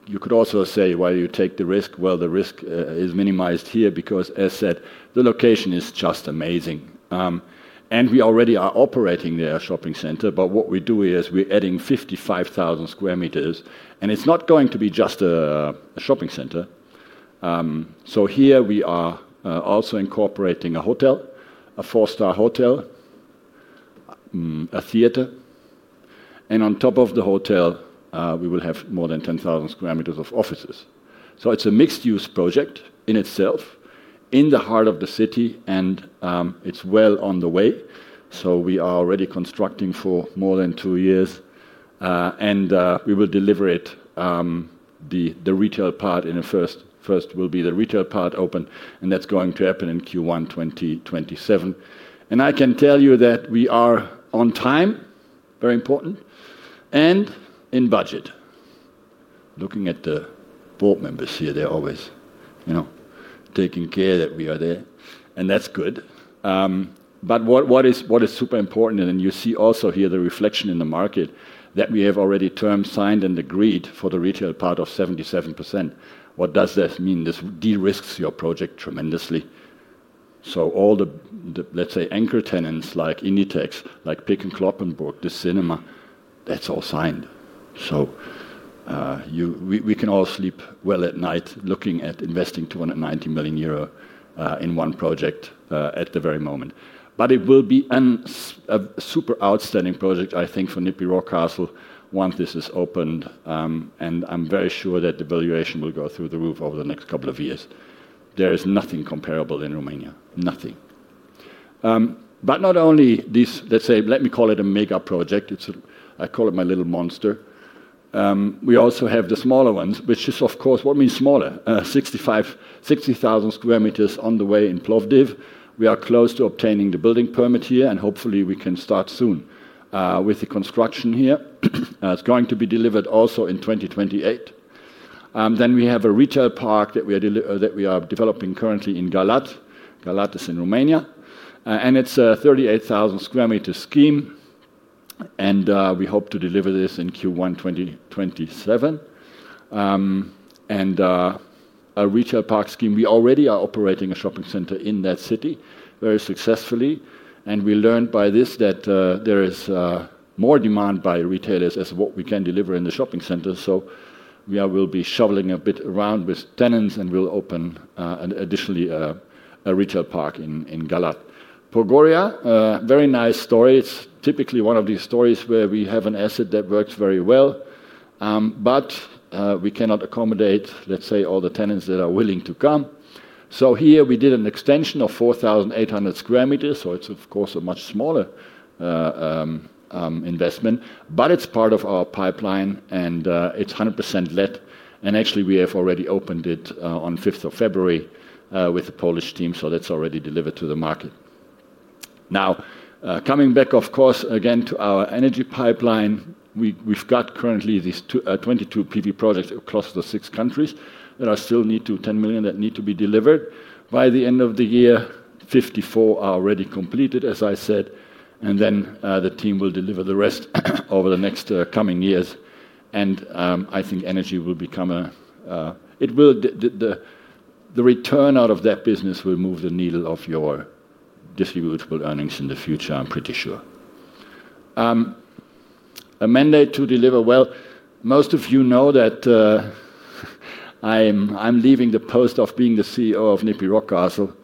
You could also say, "Why you take the risk?" Well, the risk is minimized here because, as said, the location is just amazing. And we already are operating their shopping center, but what we do is we're adding 55,000 square meters, and it's not going to be just a shopping center. Here we are, also incorporating a hotel, a 4-star hotel, a theater, and on top of the hotel, we will have more than 10,000 square meters of offices. It's a mixed-use project in itself, in the heart of the city, and it's well on the way. We are already constructing for more than two years, and we will deliver it, the retail part open, and that's going to happen in Q1 2027. I can tell you that we are on time, very important, and in budget. Looking at the board members here, they're always, you know, taking care that we are there, and that's good. what is super important, you see also here the reflection in the market, that we have already terms signed and agreed for the retail part of 77%. What does this mean? This de-risks your project tremendously. All the, let's say, anchor tenants, like Inditex, like Peek & Cloppenburg, the cinema, that's all signed. we can all sleep well at night looking at investing 290 million euro in one project at the very moment. It will be a super outstanding project, I think, for NEPI Rockcastle once this is opened, and I'm very sure that the valuation will go through the roof over the next couple of years. There is nothing comparable in Romania, nothing. Not only this, let's say, let me call it a mega project. I call it my little monster. We also have the smaller ones, which is, of course, what means smaller? 60,000 square meters on the way in Plovdiv. We are close to obtaining the building permit here, and hopefully, we can start soon with the construction here. It's going to be delivered also in 2028. We have a retail park that we are developing currently in Galați. Galați is in Romania. It's a 38,000 square meter scheme, and we hope to deliver this in Q1 2027. A retail park scheme. We already are operating a shopping center in that city very successfully, and we learned by this that there is more demand by retailers as what we can deliver in the shopping center. We will be shoveling a bit around with tenants, and we'll open an additionally a retail park in Galați. Pogoria, very nice story. It's typically one of these stories where we have an asset that works very well, but we cannot accommodate, let's say, all the tenants that are willing to come. Here we did an extension of 4,800 square meters, so it's of course, a much smaller investment, but it's part of our pipeline, and it's 100% let. Actually, we have already opened it on 5th of February with the Polish team, so that's already delivered to the market. Coming back, of course, again, to our energy pipeline, we've got currently these 22 PV projects across the six countries. There are still need to 10 million that need to be delivered. By the end of the year, 54 are already completed, as I said, the team will deliver the rest over the next coming years. I think energy will become the return out of that business will move the needle of your distributable earnings in the future, I'm pretty sure. A mandate to deliver. Well, most of you know that, I'm leaving the post of being the CEO of NEPI Rockcastle.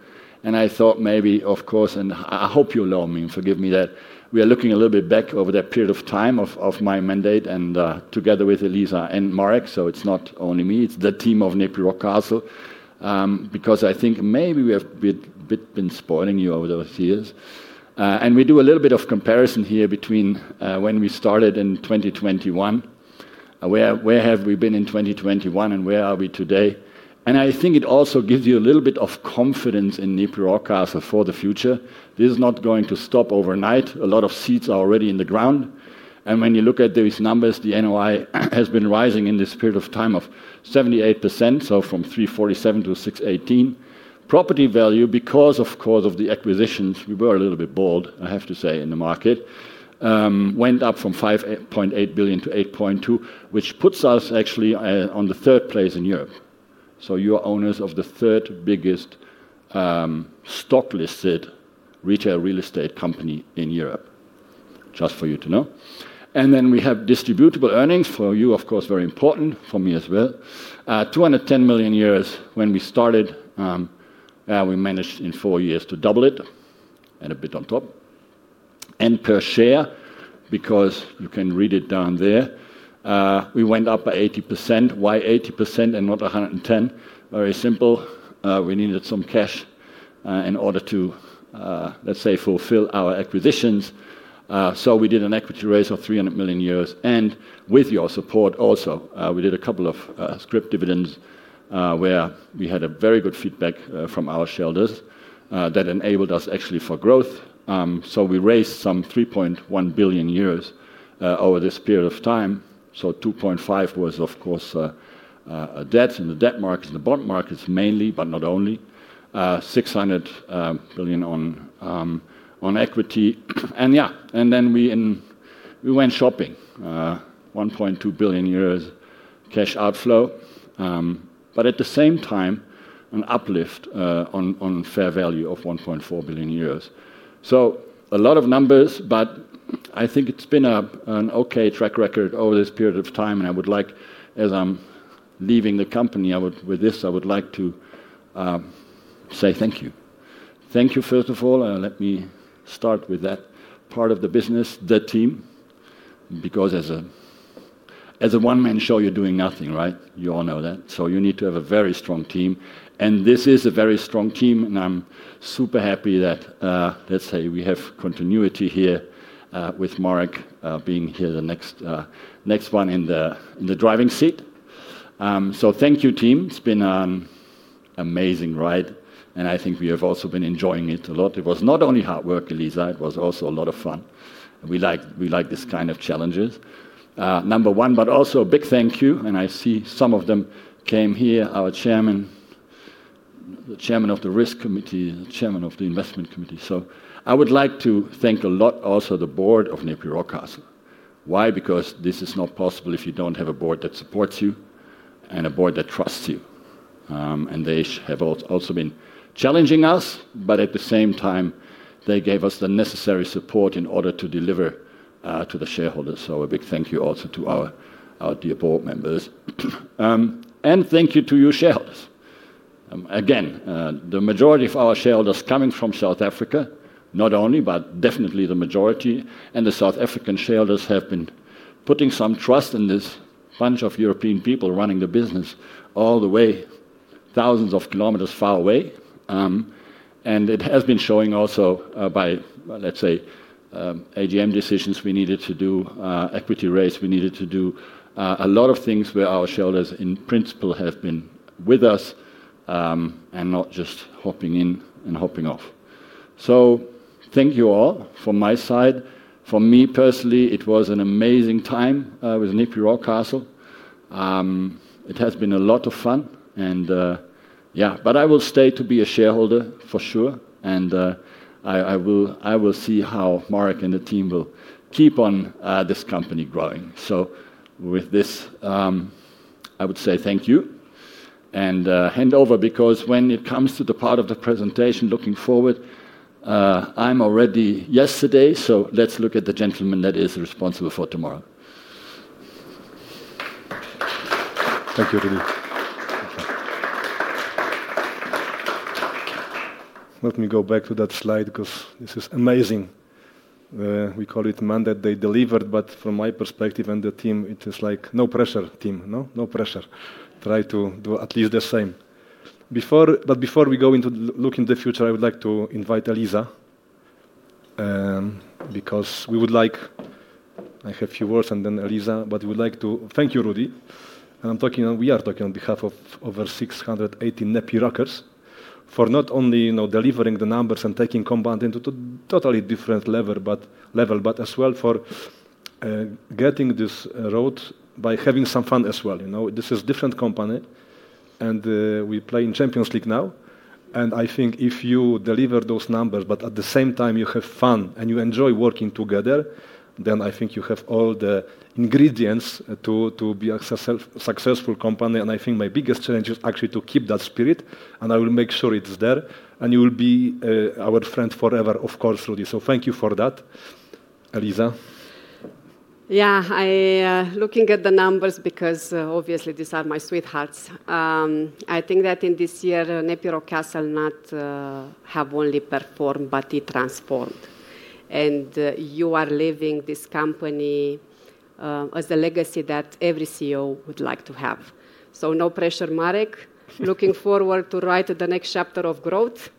I thought maybe, of course, and I hope you allow me and forgive me that we are looking a little bit back over that period of time of my mandate and, together with Eliza and Marek, it's not only me, it's the team of NEPI Rockcastle, because I think maybe we have been spoiling you over those years. We do a little bit of comparison here between when we started in 2021, where have we been in 2021, and where are we today? I think it also gives you a little bit of confidence in NEPI Rockcastle for the future. This is not going to stop overnight. A lot of seeds are already in the ground. When you look at these numbers, the NOI has been rising in this period of time of 78%, so from 347-618. Property value, because, of course, of the acquisitions, we were a little bit bold, I have to say, in the market, went up from 5.8 billion-8.2 billion, which puts us actually on the third place in Europe. You are owners of the third biggest, stock-listed retail real estate company in Europe, just for you to know. Then we have distributable earnings for you, of course, very important, for me as well. 210 million when we started, we managed in four years to double it and a bit on top. Per share, because you can read it down there, we went up by 80%. Why 80% and not 110? Very simple. We needed some cash, in order to, let's say, fulfill our acquisitions. We did an equity raise of 300 million euros, and with your support also, we did a couple of scrip dividends, where we had a very good feedback from our shareholders, that enabled us actually for growth. We raised some 3.1 billion euros over this period of time. 2.5 was, of course, a debt in the debt markets, the bond markets mainly, but not only. 600 billion on equity. Yeah, then we went shopping. 1.2 billion euros cash outflow, but at the same time, an uplift on fair value of 1.4 billion euros. A lot of numbers, but I think it's been an okay track record over this period of time, and I would like, as I'm leaving the company, with this, I would like to say thank you. Thank you, first of all, and let me start with that part of the business, the team, because as a one-man show, you're doing nothing, right? You all know that. You need to have a very strong team, and this is a very strong team, and I'm super happy that let's say we have continuity here with Marek being here, the next one in the driving seat. Thank you, team. It's been an amazing ride, and I think we have also been enjoying it a lot. It was not only hard work, Eliza, it was also a lot of fun. We like this kind of challenges. number one, but also a big thank you, and I see some of them came here, our chairman, the chairman of the Risk Committee, and the chairman of the Investment Committee. I would like to thank a lot also the board of NEPI Rockcastle. Why? Because this is not possible if you don't have a board that supports you and a board that trusts you. They have also been challenging us, but at the same time, they gave us the necessary support in order to deliver to the shareholders. A big thank you also to our dear board members. Thank you to you, shareholders. Again, the majority of our shareholders coming from South Africa, not only, but definitely the majority, the South African shareholders have been putting some trust in this bunch of European people running the business all the way, thousands of kilometers far away. It has been showing also, by, let's say, AGM decisions we needed to do equity raise, we needed to do a lot of things where our shareholders, in principle, have been with us, and not just hopping in and hopping off. Thank you all from my side. For me, personally, it was an amazing time with NEPI Rockcastle. It has been a lot of fun. Yeah, I will stay to be a shareholder for sure, and I will see how Marek and the team will keep on this company growing. With this, I would say thank you and hand over, because when it comes to the part of the presentation looking forward, I'm already yesterday. Let's look at the gentleman that is responsible for tomorrow. Thank you, Rudy. Let me go back to that slide because this is amazing. We call it mandate they delivered, but from my perspective and the team, it is like, no pressure, team. No? No pressure. Try to do at least the same. Before we go into looking the future, I would like to invite Eliza. I have a few words, and then Eliza. We would like to thank you, Rudy, and I'm talking, we are talking on behalf of over 680 NEPI Rockers, for not only, you know, delivering the numbers and taking combined into totally different level, but as well for getting this road by having some fun as well, you know? This is different company. We play in Champions League now. I think if you deliver those numbers, but at the same time you have fun and you enjoy working together, then I think you have all the ingredients to be a successful company. I think my biggest challenge is actually to keep that spirit, and I will make sure it's there, and you will be our friend forever, of course, Rudy. Thank you for that. Eliza? Yeah, I, looking at the numbers, because, obviously these are my sweethearts. I think that in this year, NEPI Rockcastle not, have only performed, but it transformed. You are leaving this company, as a legacy that every CEO would like to have. No pressure, Marek. Looking forward to write the next chapter of growth,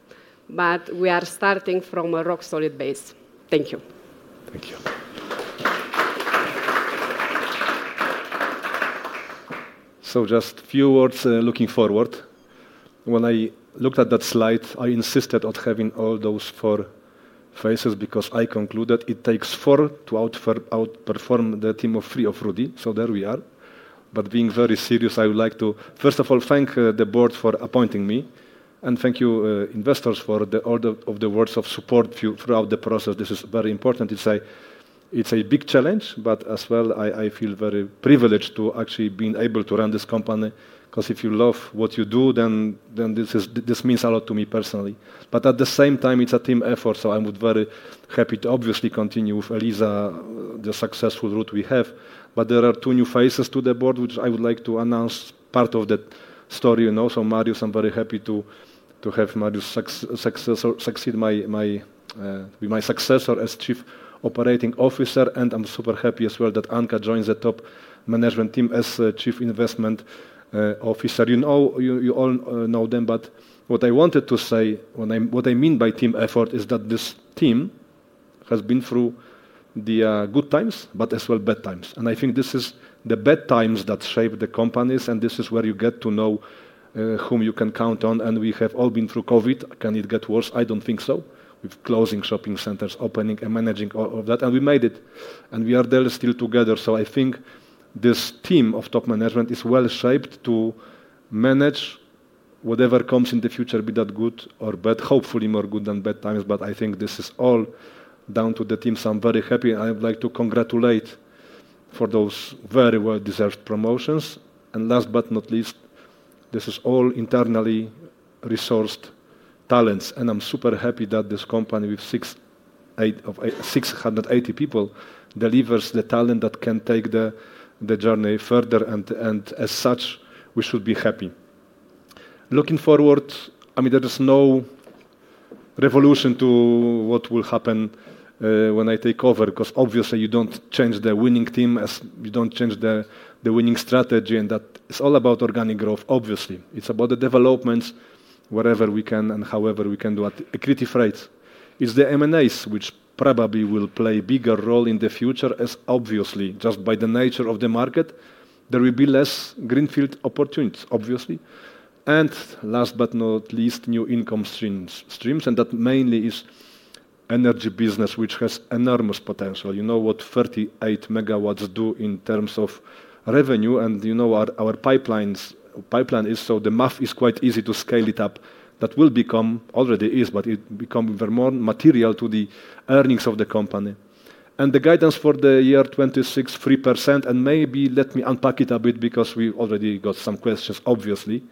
but we are starting from a rock-solid base. Thank you. Thank you. Just few words, looking forward. When I looked at that slide, I insisted on having all those four faces because I concluded it takes four to outperform the team of three of Rudy, so there we are. Being very serious, I would like to, first of all, thank the board for appointing me, and thank you, investors, for all the words of support throughout the process. This is very important. It's a big challenge, but as well, I feel very this team of top management is well-shaped to manage whatever comes in the future, be that good or bad, hopefully more good than bad times. I think this is all down to the team, so I'm very happy. I would like to congratulate for those very well-deserved promotions. Last but not least, this is all internally resourced talents, and I'm super happy that this company with 680 people, delivers the talent that can take the journey further and as such, we should be happy. Looking forward, I mean, there is no revolution to what will happen when I take over, 'cause obviously you don't change the winning team as you don't change the winning strategy, and that it's all about organic growth, obviously. It's about the developments, wherever we can and however we can do at accretive rates. It's the M&As, which probably will play a bigger role in the future, as obviously, just by the nature of the market, there will be less greenfield opportunities, obviously. And last but not least, new income streams, and that mainly is energy business, which has enormous potential. You know what 38 MWs do in terms of revenue, and you know our pipeline is, so the math is quite easy to scale it up. That will become, already is, but it become more material to the earnings of the company. The guidance for the year 2026, 3%. Maybe let me unpack it a bit because we've already got some questions, obviously.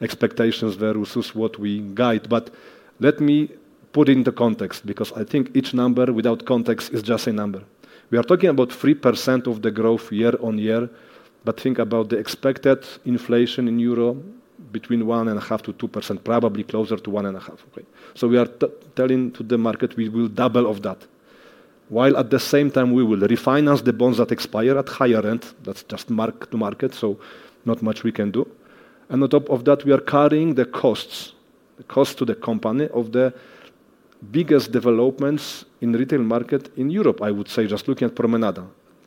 Expectations versus what we guide. Let me put into context, because I think each number without context is just a number. We are talking about 3% of the growth year-over-year. Think about the expected inflation in EUR between 1.5%-2%, probably closer to 1.5%, okay? We are telling to the market we will double of that, while at the same time we will refinance the bonds that expire at higher end. That's just mark-to-market. Not much we can do. On top of that, we are carrying the costs, the cost to the company of the biggest developments in retail market in Europe, I would say, just looking at Promenada.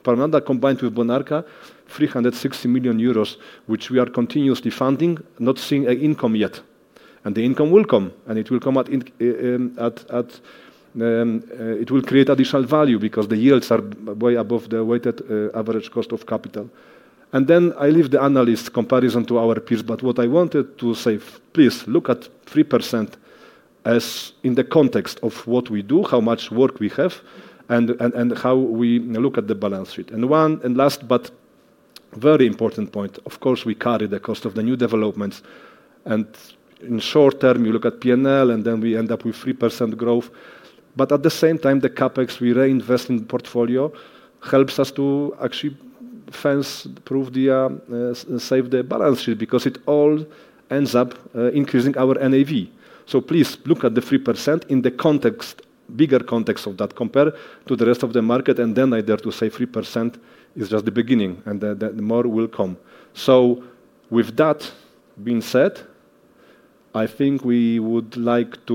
Promenada, combined with Bonarka, 360 million euros, which we are continuously funding, not seeing an income yet. The income will come, and it will come at. It will create additional value because the yields are way above the weighted average cost of capital. Then I leave the analyst comparison to our peers, but what I wanted to say, please look at 3% as in the context of what we do, how much work we have, and how we look at the balance sheet. One, and last, but very important point, of course, we carry the cost of the new developments, and in short term, you look at P&L, and then we end up with 3% growth. At the same time, the CapEx we reinvest in portfolio helps us to actually save the balance sheet, because it all ends up increasing our NAV. Please look at the 3% in the context, bigger context of that, compare to the rest of the market, and then I dare to say 3% is just the beginning, and the more will come. With that being said, I think we would like to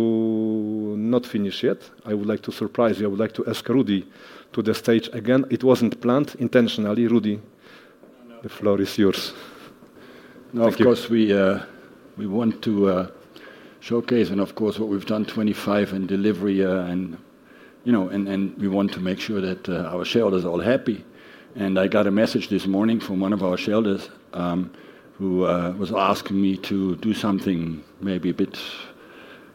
not finish yet. I would like to surprise you. I would like to ask Rudy to the stage again. It wasn't planned intentionally. Rudy, the floor is yours. No, of course, we want to showcase and of course, what we've done 25 and delivery, you know, and we want to make sure that our shareholders are all happy. I got a message this morning from one of our shareholders, who was asking me to do something maybe a bit,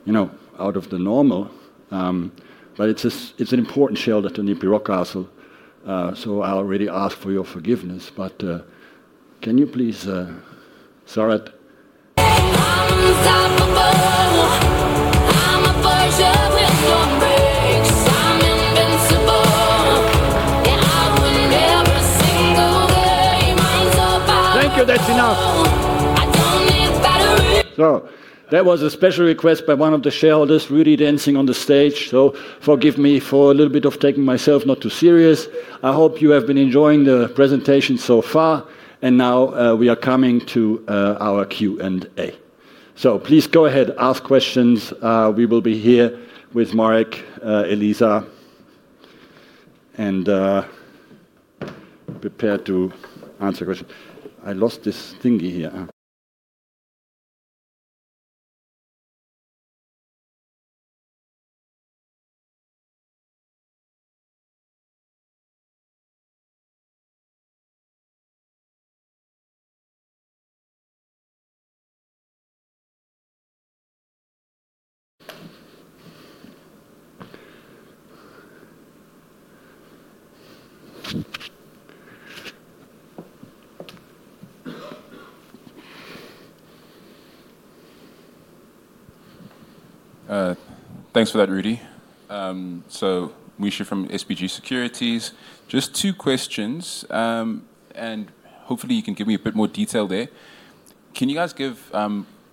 you know, out of the normal. It's an important shareholder, NEPI Rockcastle, so I already ask for your forgiveness, can you please start? Thank you. That's enough! That was a special request by one of the shareholders, Rudy, dancing on the stage. Forgive me for a little bit of taking myself not too serious. I hope you have been enjoying the presentation so far, and now, we are coming to our Q&A. Please go ahead, ask questions. We will be here with Marek, Eliza, and prepared to answer questions. I lost this thingy here. Thanks for that, Rudy. Misha from SBG Securities. Just two questions, hopefully, you can give me a bit more detail there. Can you guys give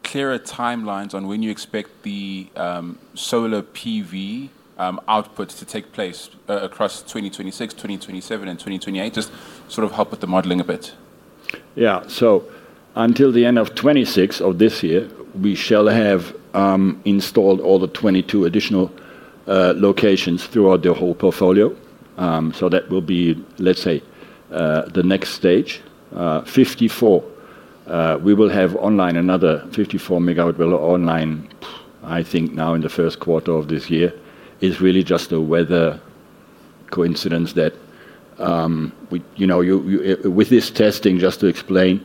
clearer timelines on when you expect the solar PV output to take place across 2026, 2027, and 2028? Just sort of help with the modeling a bit. Yeah, until the end of the 26th of this year, we shall have installed all the 22 additional locations throughout the whole portfolio. That will be, let's say, the next stage. 54 MW, we will have online another 54 MW online, I think now in the first quarter of this year. It's really just a weather coincidence that, you know, you with this testing, just to explain,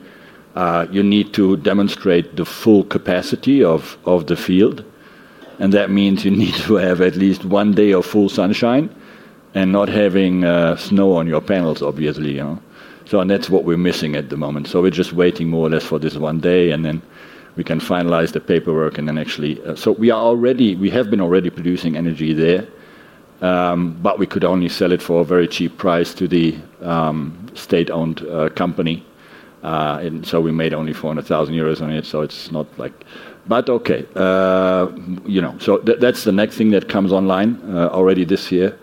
you need to demonstrate the full capacity of the field, and that means you need to have at least one day of full sunshine and not having snow on your panels, obviously, you know? That's what we're missing at the moment. We're just waiting more or less for this one day, and then we can finalize the paperwork and then actually... We have been already producing energy there, but we could only sell it for a very cheap price to the state-owned company. We made only 400,000 euros on it, so it's not like. But okay, you know. That, that's the next thing that comes online already this year.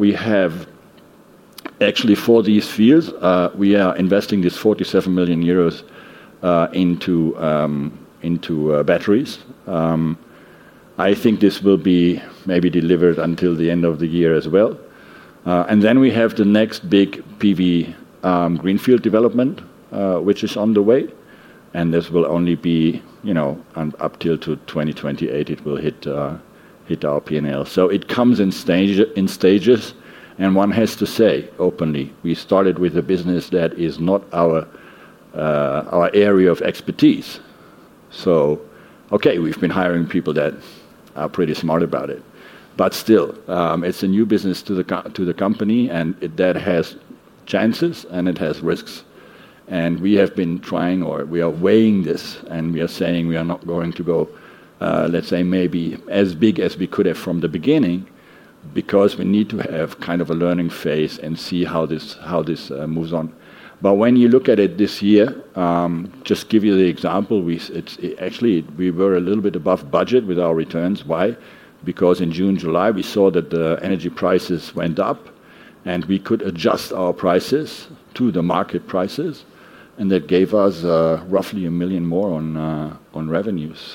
We have actually, for these years, we are investing this 47 million euros into batteries. I think this will be maybe delivered until the end of the year as well. We have the next big PV greenfield development, which is on the way, and this will only be, you know, up till to 2028, it will hit our P&L. It comes in stage, in stages, and one has to say openly, we started with a business that is not our area of expertise. Okay, we've been hiring people that are pretty smart about it. Still, it's a new business to the company, that has chances and it has risks, and we have been trying or we are weighing this, and we are saying we are not going to go, let's say maybe as big as we could have from the beginning because we need to have kind of a learning phase and see how this moves on. When you look at it this year, just give you the example, it's actually we were a little bit above budget with our returns. Why? In June, July, we saw that the energy prices went up. We could adjust our prices to the market prices. That gave us roughly 1 million more on revenues.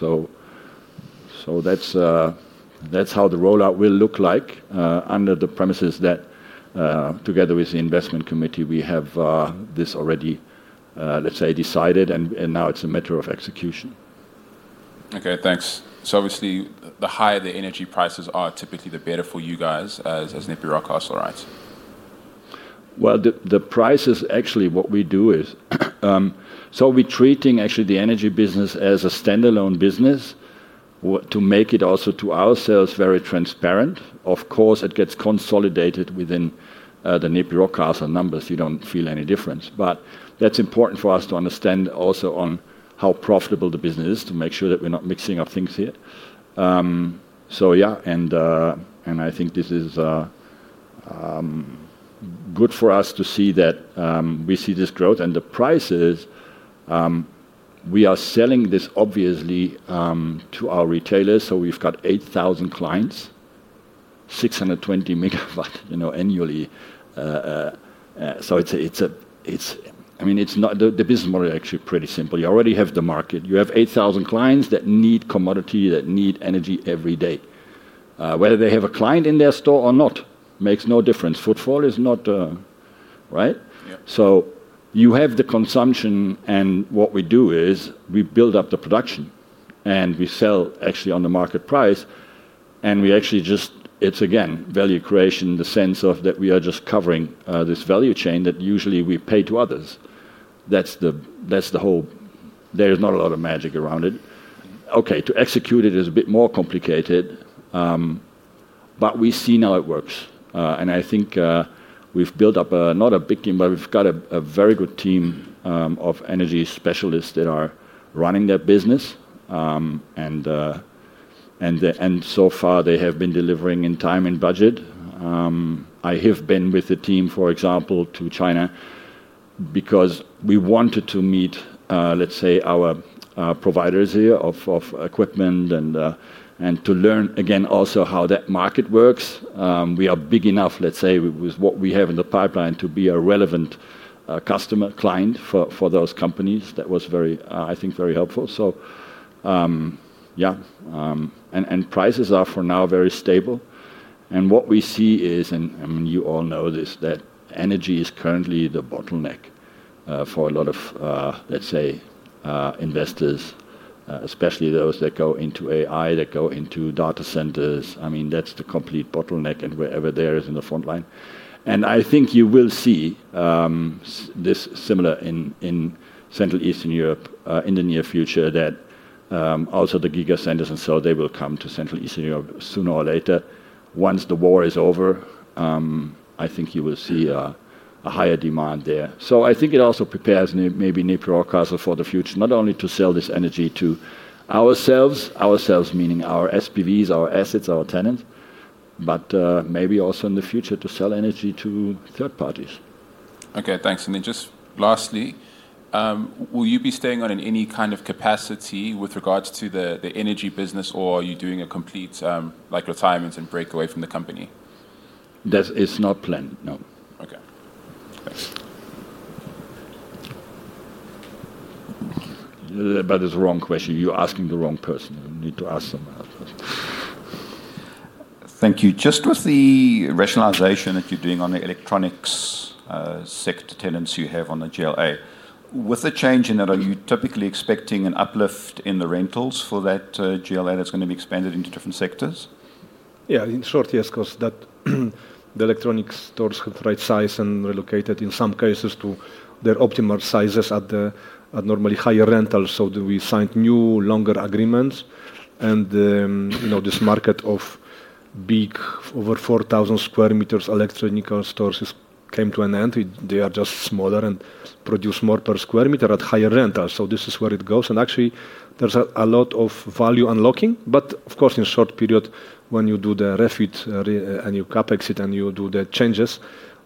That's how the rollout will look like, under the premises that together with the investment committee, we have this already, let's say, decided. Now it's a matter of execution. Okay, thanks. Obviously, the higher the energy prices are, typically, the better for you guys as NEPI Rockcastle, right? Well, the prices actually, what we do is, so we're treating actually the energy business as a standalone business to make it also to ourselves very transparent. Of course, it gets consolidated within the NEPI Rockcastle numbers. You don't feel any difference. That's important for us to understand also on how profitable the business is, to make sure that we're not mixing up things here. Yeah, and I think this is good for us to see that we see this growth. The prices, we are selling this obviously to our retailers, so we've got 8,000 clients, 620 MW, you know, annually. It's – I mean, it's not, the business model is actually pretty simple. You already have the market. You have 8,000 clients that need commodity, that need energy every day. Whether they have a client in their store or not, makes no difference. Footfall is not. Right? Yep. You have the consumption, and what we do is we build up the production, and we sell actually on the market price, and we actually, it's again, value creation in the sense of that we are just covering this value chain that usually we pay to others. That's the whole. There is not a lot of magic around it. To execute it is a bit more complicated, but we see now it works. I think we've built up a not a big team, but we've got a very good team of energy specialists that are running that business. So far, they have been delivering in time and budget. I have been with the team, for example, to China, because we wanted to meet, let's say, our providers there of equipment and to learn again, also how that market works. We are big enough, let's say, with what we have in the pipeline to be a relevant customer, client for those companies. That was very, I think, very helpful. Yeah, prices are, for now, very stable. What we see is, I mean, you all know this, that energy is currently the bottleneck for a lot of, let's say, investors, especially those that go into AI, that go into data centers. I mean, that's the complete bottleneck and wherever there is in the frontline. I think you will see this similar in Central Eastern Europe, in the near future, that also the giga centers, and so they will come to Central Eastern Europe sooner or later. Once the war is over, I think you will see a higher demand there. I think it also prepares maybe NEPI Rockcastle for the future, not only to sell this energy to ourselves, meaning our SPVs, our assets, our tenants, but maybe also in the future to sell energy to third parties. Okay, thanks. Just lastly. Will you be staying on in any kind of capacity with regards to the energy business, or are you doing a complete, like, retirement and breakaway from the company? That is not planned, no. Okay. Thanks. It's the wrong question. You're asking the wrong person. You need to ask someone else. Thank you. Just with the rationalization that you're doing on the electronics sector tenants you have on the GLA, with the change in that, are you typically expecting an uplift in the rentals for that GLA that's gonna be expanded into different sectors? Yeah, in short, yes, 'cause that the electronics stores have right-sized and relocated in some cases to their optimal sizes at the, at normally higher rentals. Do we sign new, longer agreements? You know, this market of big, over 4,000 square meters electrical stores has came to an end. They are just smaller and produce more per square meter at higher rental. This is where it goes, and actually there's a lot of value unlocking. Of course, in short period, when you do the refit, and you CapEx it, and you do the changes,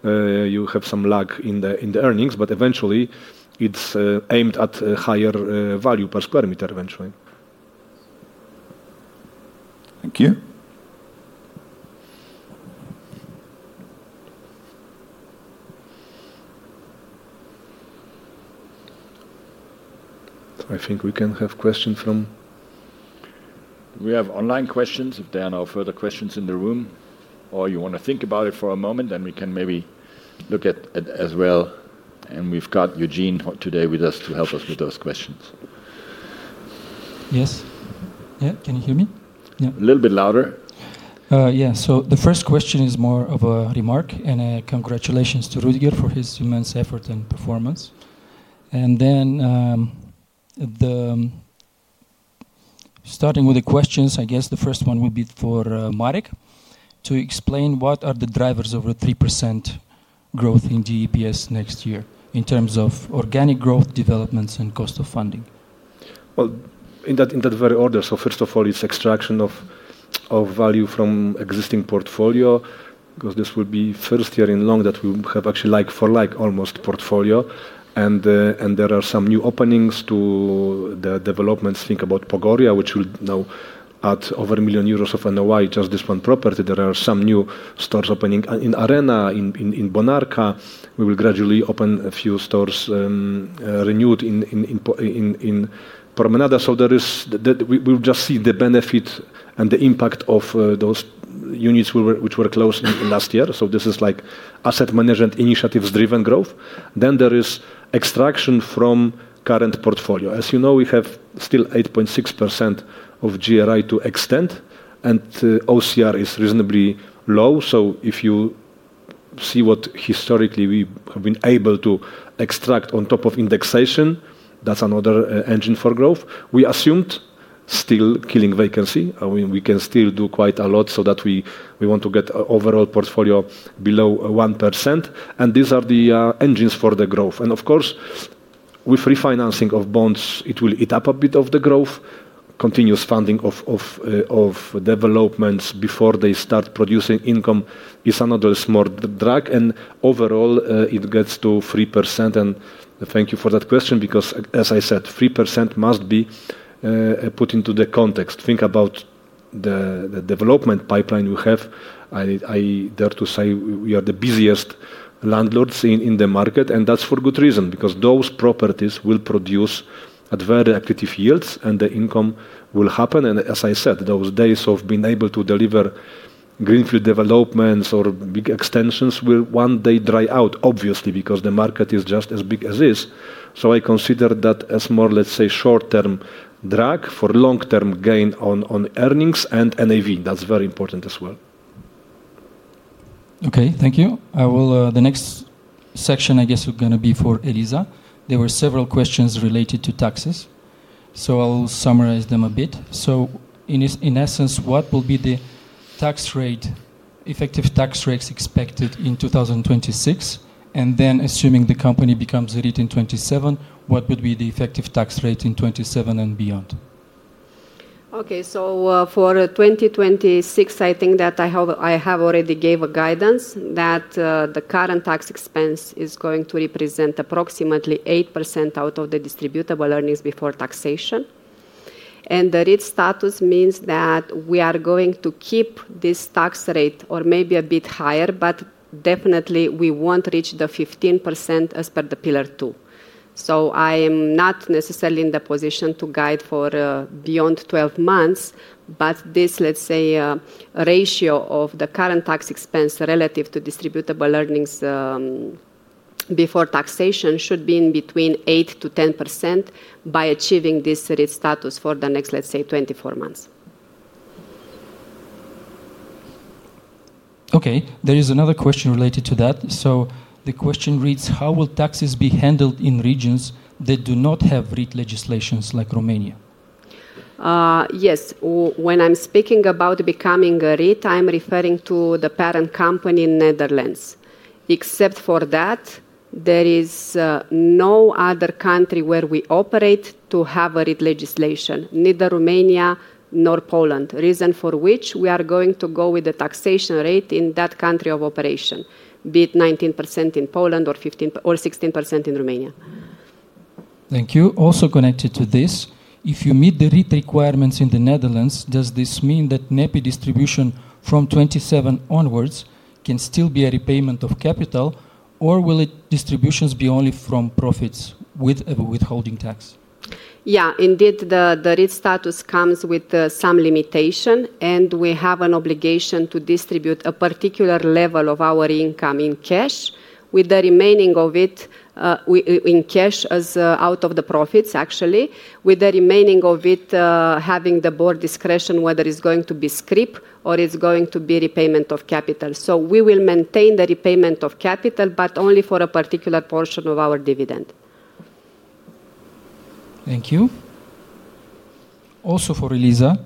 you have some lag in the earnings. Eventually, it's aimed at a higher value per square meter eventually. Thank you. I think we can have question from-. We have online questions, if there are no further questions in the room, or you wanna think about it for a moment, then we can maybe look at it as well. We've got Eugene today with us to help us with those questions. Yes. Yeah, can you hear me? Yeah. A little bit louder. Yeah. The first question is more of a remark, and congratulations to Rüdiger for his immense effort and performance. Starting with the questions, I guess the first one will be for Marek, to explain what are the drivers of a 3% growth in DEPS next year in terms of organic growth, developments, and cost of funding? Well, in that very order. First of all, it's extraction of value from existing portfolio, cause this will be first year in long that we have actually like-for-like almost portfolio. There are some new openings to the developments. Think about Pogoria, which will now add over 1 million euros of NOI, just this one property. There are some new stores opening in Arena, in Bonarka. We will gradually open a few stores, renewed in Promenada. We've just seen the benefit and the impact of those units we were, which were closed in last year. This is like asset management initiatives-driven growth. There is extraction from current portfolio. As you know, we have still 8.6% of GRI to extend, and OCR is reasonably low. If you see what historically we have been able to extract on top of indexation, that's another engine for growth. We assumed still killing vacancy. I mean, we can still do quite a lot so that we want to get overall portfolio below 1%, and these are the engines for the growth. Of course, with refinancing of bonds, it will eat up a bit of the growth. Continuous funding of developments before they start producing income is another small drag, and overall, it gets to 3%. Thank you for that question, because as I said, 3% must be put into the context. Think about the development pipeline we have. I dare to say we are the busiest landlords in the market, because those properties will produce at very attractive yields, and the income will happen. As I said, those days of being able to deliver greenfield developments or big extensions will one day dry out, obviously, because the market is just as big as is. I consider that as more, let's say, short-term drag for long-term gain on earnings and NAV. That's very important as well. Okay, thank you. I will, the next section, I guess, is going to be for Eliza. There were several questions related to taxes. I'll summarize them a bit. In essence, what will be the tax rate, effective tax rates expected in 2026? Assuming the company becomes a REIT in 2027, what would be the effective tax rate in 2027 and beyond? Okay. For 2026, I think that I have already gave a guidance that the current tax expense is going to represent approximately 8% out of the distributable earnings before taxation. The REIT status means that we are going to keep this tax rate or maybe a bit higher, but definitely, we won't reach the 15% as per the Pillar Two. I am not necessarily in the position to guide for beyond 12 months, but this, let's say, ratio of the current tax expense relative to distributable earnings before taxation, should be in between 8%-10% by achieving this REIT status for the next, let's say, 24 months. Okay. There is another question related to that. The question reads: How will taxes be handled in regions that do not have REIT legislations like Romania? Yes. When I'm speaking about becoming a REIT, I'm referring to the parent company in Netherlands. Except for that, there is no other country where we operate to have a REIT legislation, neither Romania nor Poland. Reason for which we are going to go with the taxation rate in that country of operation, be it 19% in Poland or 15%, or 16% in Romania. Thank you. Also connected to this, if you meet the REIT requirements in the Netherlands, does this mean that NEPI distribution from 2027 onwards can still be a repayment of capital, or will it distributions be only from profits with a withholding tax? Yeah, indeed, the REIT status comes with some limitation. We have an obligation to distribute a particular level of our income in cash, with the remaining of it in cash as out of the profits, actually. With the remaining of it, having the board discretion, whether it's going to be scrip or it's going to be repayment of capital. We will maintain the repayment of capital, but only for a particular portion of our dividend. Thank you. Also, for Eliza.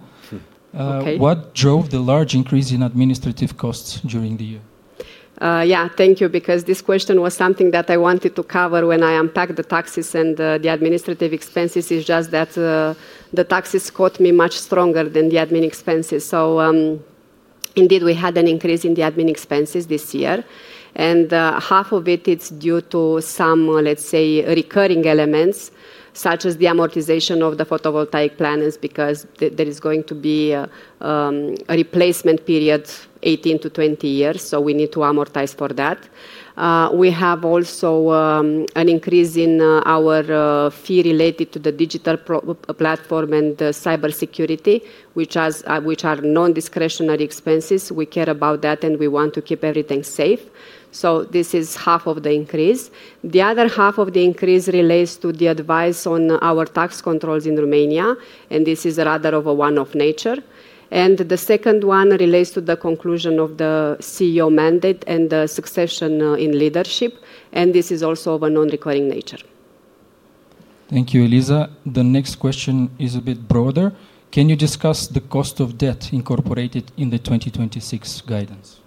Okay. What drove the large increase in administrative costs during the year? Thank you, because this question was something that I wanted to cover when I unpacked the taxes, the administrative expenses is just that, the taxes caught me much stronger than the admin expenses. Indeed, we had an increase in the admin expenses this year, half of it's due to some, let's say, recurring elements, such as the amortization of the photovoltaic planners, because there is going to be a replacement period, 18-20 years, so we need to amortize for that. We have also an increase in our fee related to the digital platform and cybersecurity, which are non-discretionary expenses. We care about that, and we want to keep everything safe. This is half of the increase. The other half of the increase relates to the advice on our tax controls in Romania, and this is rather of a one-off nature. The second one relates to the conclusion of the CEO mandate and the succession, in leadership, and this is also of a non-recurring nature. Thank you, Eliza. The next question is a bit broader: Can you discuss the cost of debt incorporated in the 2026 guidance?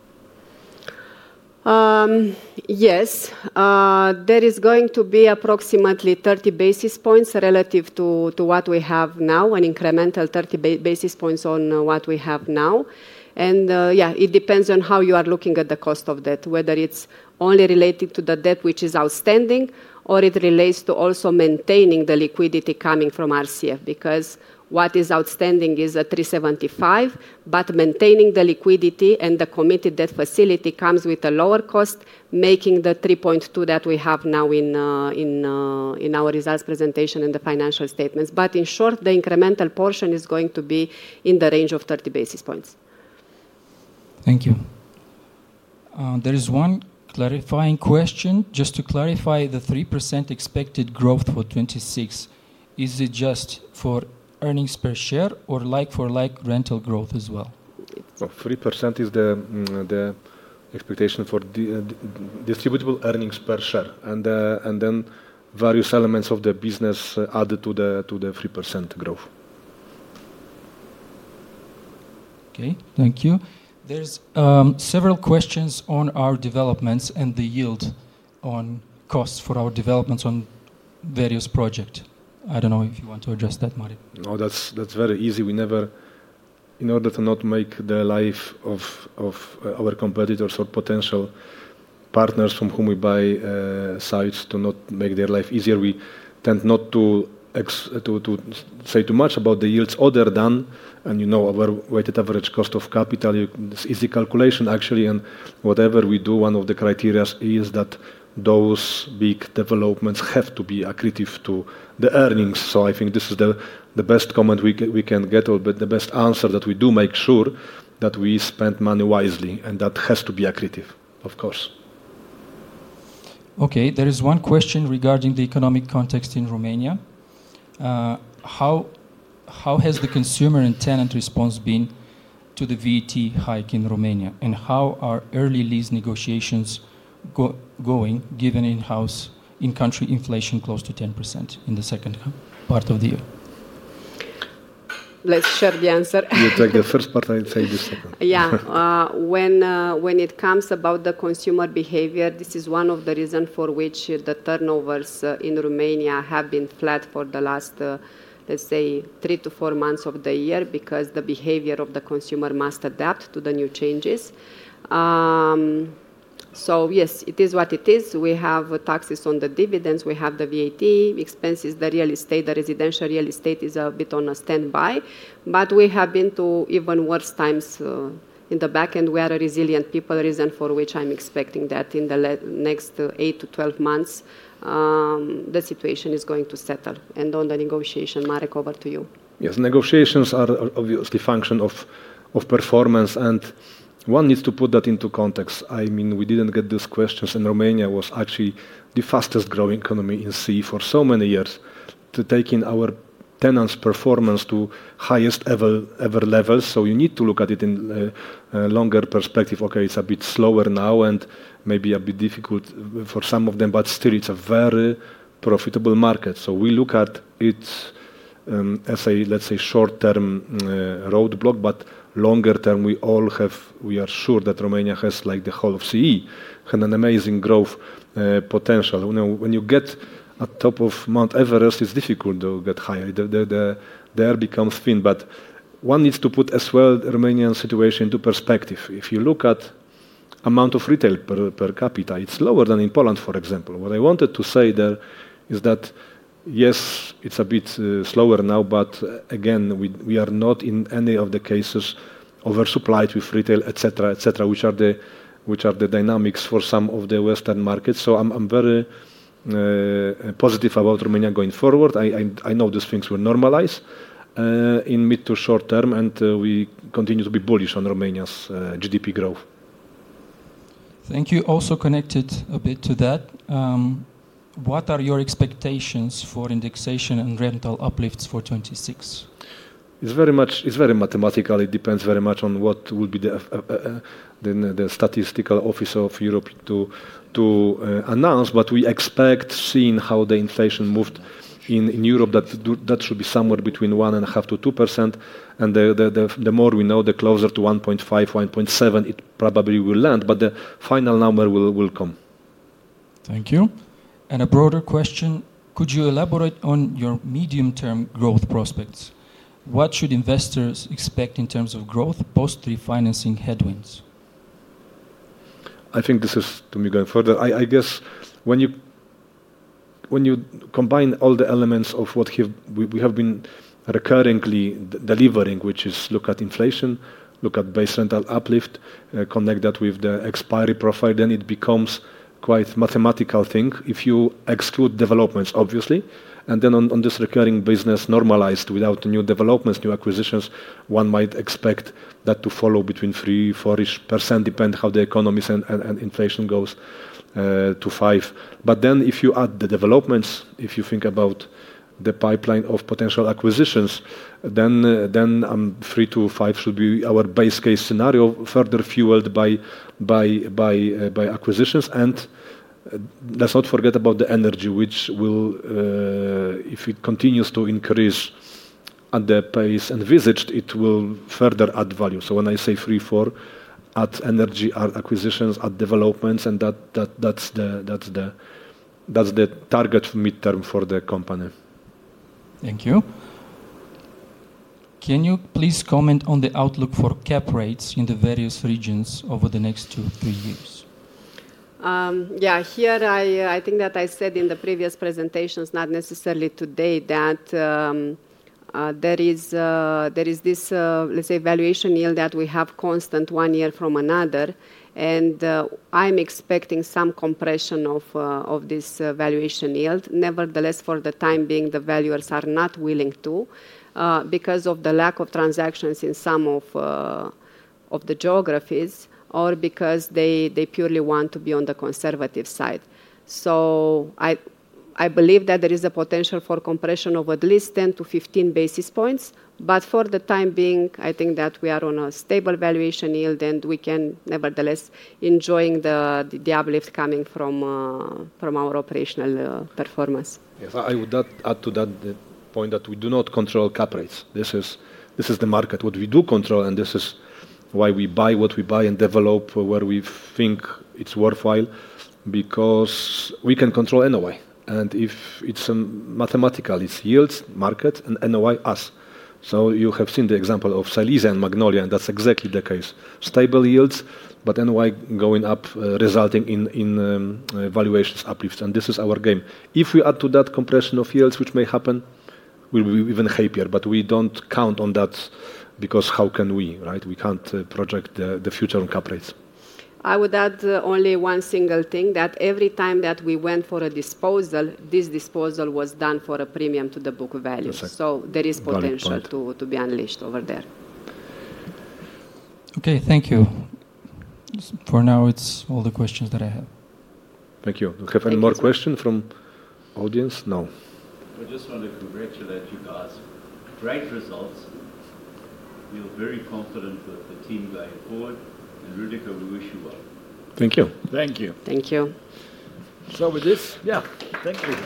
Yes. There is going to be approximately 30 basis points relative to what we have now, an incremental 30 basis points on what we have now. Yeah, it depends on how you are looking at the cost of debt, whether it's only related to the debt which is outstanding, or it relates to also maintaining the liquidity coming from RCF. Because what is outstanding is a 3.75%, but maintaining the liquidity and the committed debt facility comes with a lower cost, making the 3.2% that we have now in our results presentation in the financial statements. In short, the incremental portion is going to be in the range of 30 basis points. Thank you. There is one clarifying question. Just to clarify the 3% expected growth for 2026, is it just for earnings per share or like-for-like rental growth as well? Three percent is the expectation for the distributable earnings per share, and then various elements of the business added to the 3% growth. Okay, thank you. There's several questions on our developments and the yield on costs for our developments on various project. I don't know if you want to address that, Marek. No, that's very easy. We never. In order to not make the life of our competitors or potential partners from whom we buy sites, to not make their life easier, we tend not to say too much about the yields other than, you know, our weighted average cost of capital, it's easy calculation, actually. Whatever we do, one of the criteria is that those big developments have to be accretive to the earnings. I think this is the best comment we can get, or the best answer, that we do make sure that we spend money wisely, and that has to be accretive, of course. Okay, there is one question regarding the economic context in Romania. How has the consumer and tenant response been to the VT hike in Romania? How are early lease negotiations going, given in-house, in-country inflation close to 10% in the second half, part of the year? Let's share the answer. You take the first part, I'll take the second. Yeah. When it comes about the consumer behavior, this is one of the reason for which the turnovers in Romania have been flat for the last, let's say, 3-4 months of the year, because the behavior of the consumer must adapt to the new changes. Yes, it is what it is. We have taxes on the dividends, we have the VAT expenses, the real estate, the residential real estate is a bit on a standby. We have been through even worse times in the back, and we are a resilient people, reason for which I'm expecting that in the next 8-12 months, the situation is going to settle. On the negotiation, Marek, over to you. Yes, negotiations are obviously function of performance, one needs to put that into context. I mean, we didn't get these questions, and Romania was actually the fastest-growing economy in CE for so many years, to taking our tenants' performance to highest ever levels. You need to look at it in a longer perspective. Okay, it's a bit slower now and maybe a bit difficult for some of them, but still, it's a very profitable market. We look at it as a, let's say, short-term roadblock, but longer term, we are sure that Romania has, like the whole of CE, have an amazing growth potential. When you, when you get at top of Mount Everest, it's difficult to get higher. The air becomes thin. One needs to put as well Romanian situation into perspective. If you look at amount of retail per capita, it's lower than in Poland, for example. What I wanted to say there is that, yes, it's a bit slower now, but again, we are not in any of the cases oversupplied with retail, etc., etc., which are the dynamics for some of the Western markets. I'm very positive about Romania going forward. I know these things will normalize in mid to short term, and we continue to be bullish on Romania's GDP growth. Thank you. Connected a bit to that, what are your expectations for indexation and rental uplifts for 2026? It's very mathematical. It depends very much on what will be the statistical office of Europe to announce. We expect, seeing how the inflation moved in Europe, that should be somewhere between 1.5%-2%, and the more we know, the closer to 1.5%, 1.7% it probably will land, but the final number will come. Thank you. A broader question: Could you elaborate on your medium-term growth prospects? What should investors expect in terms of growth post-refinancing headwinds? I think this is to me going further. I guess when you combine all the elements of what we have been recurringly delivering, which is look at inflation, look at base rental uplift, connect that with the expiry profile, then it becomes quite mathematical thing. If you exclude developments, obviously, and then on this recurring business, normalized without new developments, new acquisitions, one might expect that to follow between 3%, 4-ish%, depend how the economies and inflation goes, to 5%. If you add the developments, if you think about the pipeline of potential acquisitions, then, 3%-5% should be our base case scenario, further fueled by acquisitions. Let's not forget about the energy which will, if it continues to increase at the pace envisaged, it will further add value. When I say 3%, 4%, add energy, add acquisitions, add developments, and that's the target midterm for the company. Thank you. Can you please comment on the outlook for cap rates in the various regions over the next two, three years? Yeah, here, I think that I said in the previous presentations, not necessarily today, that there is this, let's say, valuation yield that we have constant one year from another, and I'm expecting some compression of this valuation yield. Nevertheless, for the time being, the valuers are not willing to because of the lack of transactions in some of the geographies or because they purely want to be on the conservative side. I believe that there is a potential for compression of at least 10-15 basis points, but for the time being, I think that we are on a stable valuation yield, and we can nevertheless enjoying the uplift coming from our operational performance. Yes. I would add to that the point that we do not control cap rates. This is the market. What we do control, and this is why we buy what we buy and develop where we think it's worthwhile, because we can control NOI. If it's mathematical, it's yields, market, and NOI, us. You have seen the example of Silesia and Magnolia, and that's exactly the case. Stable yields, but NOI going up, resulting in valuations uplifts, and this is our game. If we add to that compression of yields, which may happen, we'll be even happier. We don't count on that, because how can we, right? We can't project the future on cap rates. I would add, only one single thing, that every time that we went for a disposal, this disposal was done for a premium to the book value. Perfect. there is potential- Valid point. To be unleashed over there. Okay, thank you. For now, it's all the questions that I have. Thank you. Thank you. Do we have any more question from audience? No. I just want to congratulate you guys. Great results. Feel very confident with the team going forward, and Rüdiger, we wish you well. Thank you. Thank you. Thank you. With this. Yeah, thank you.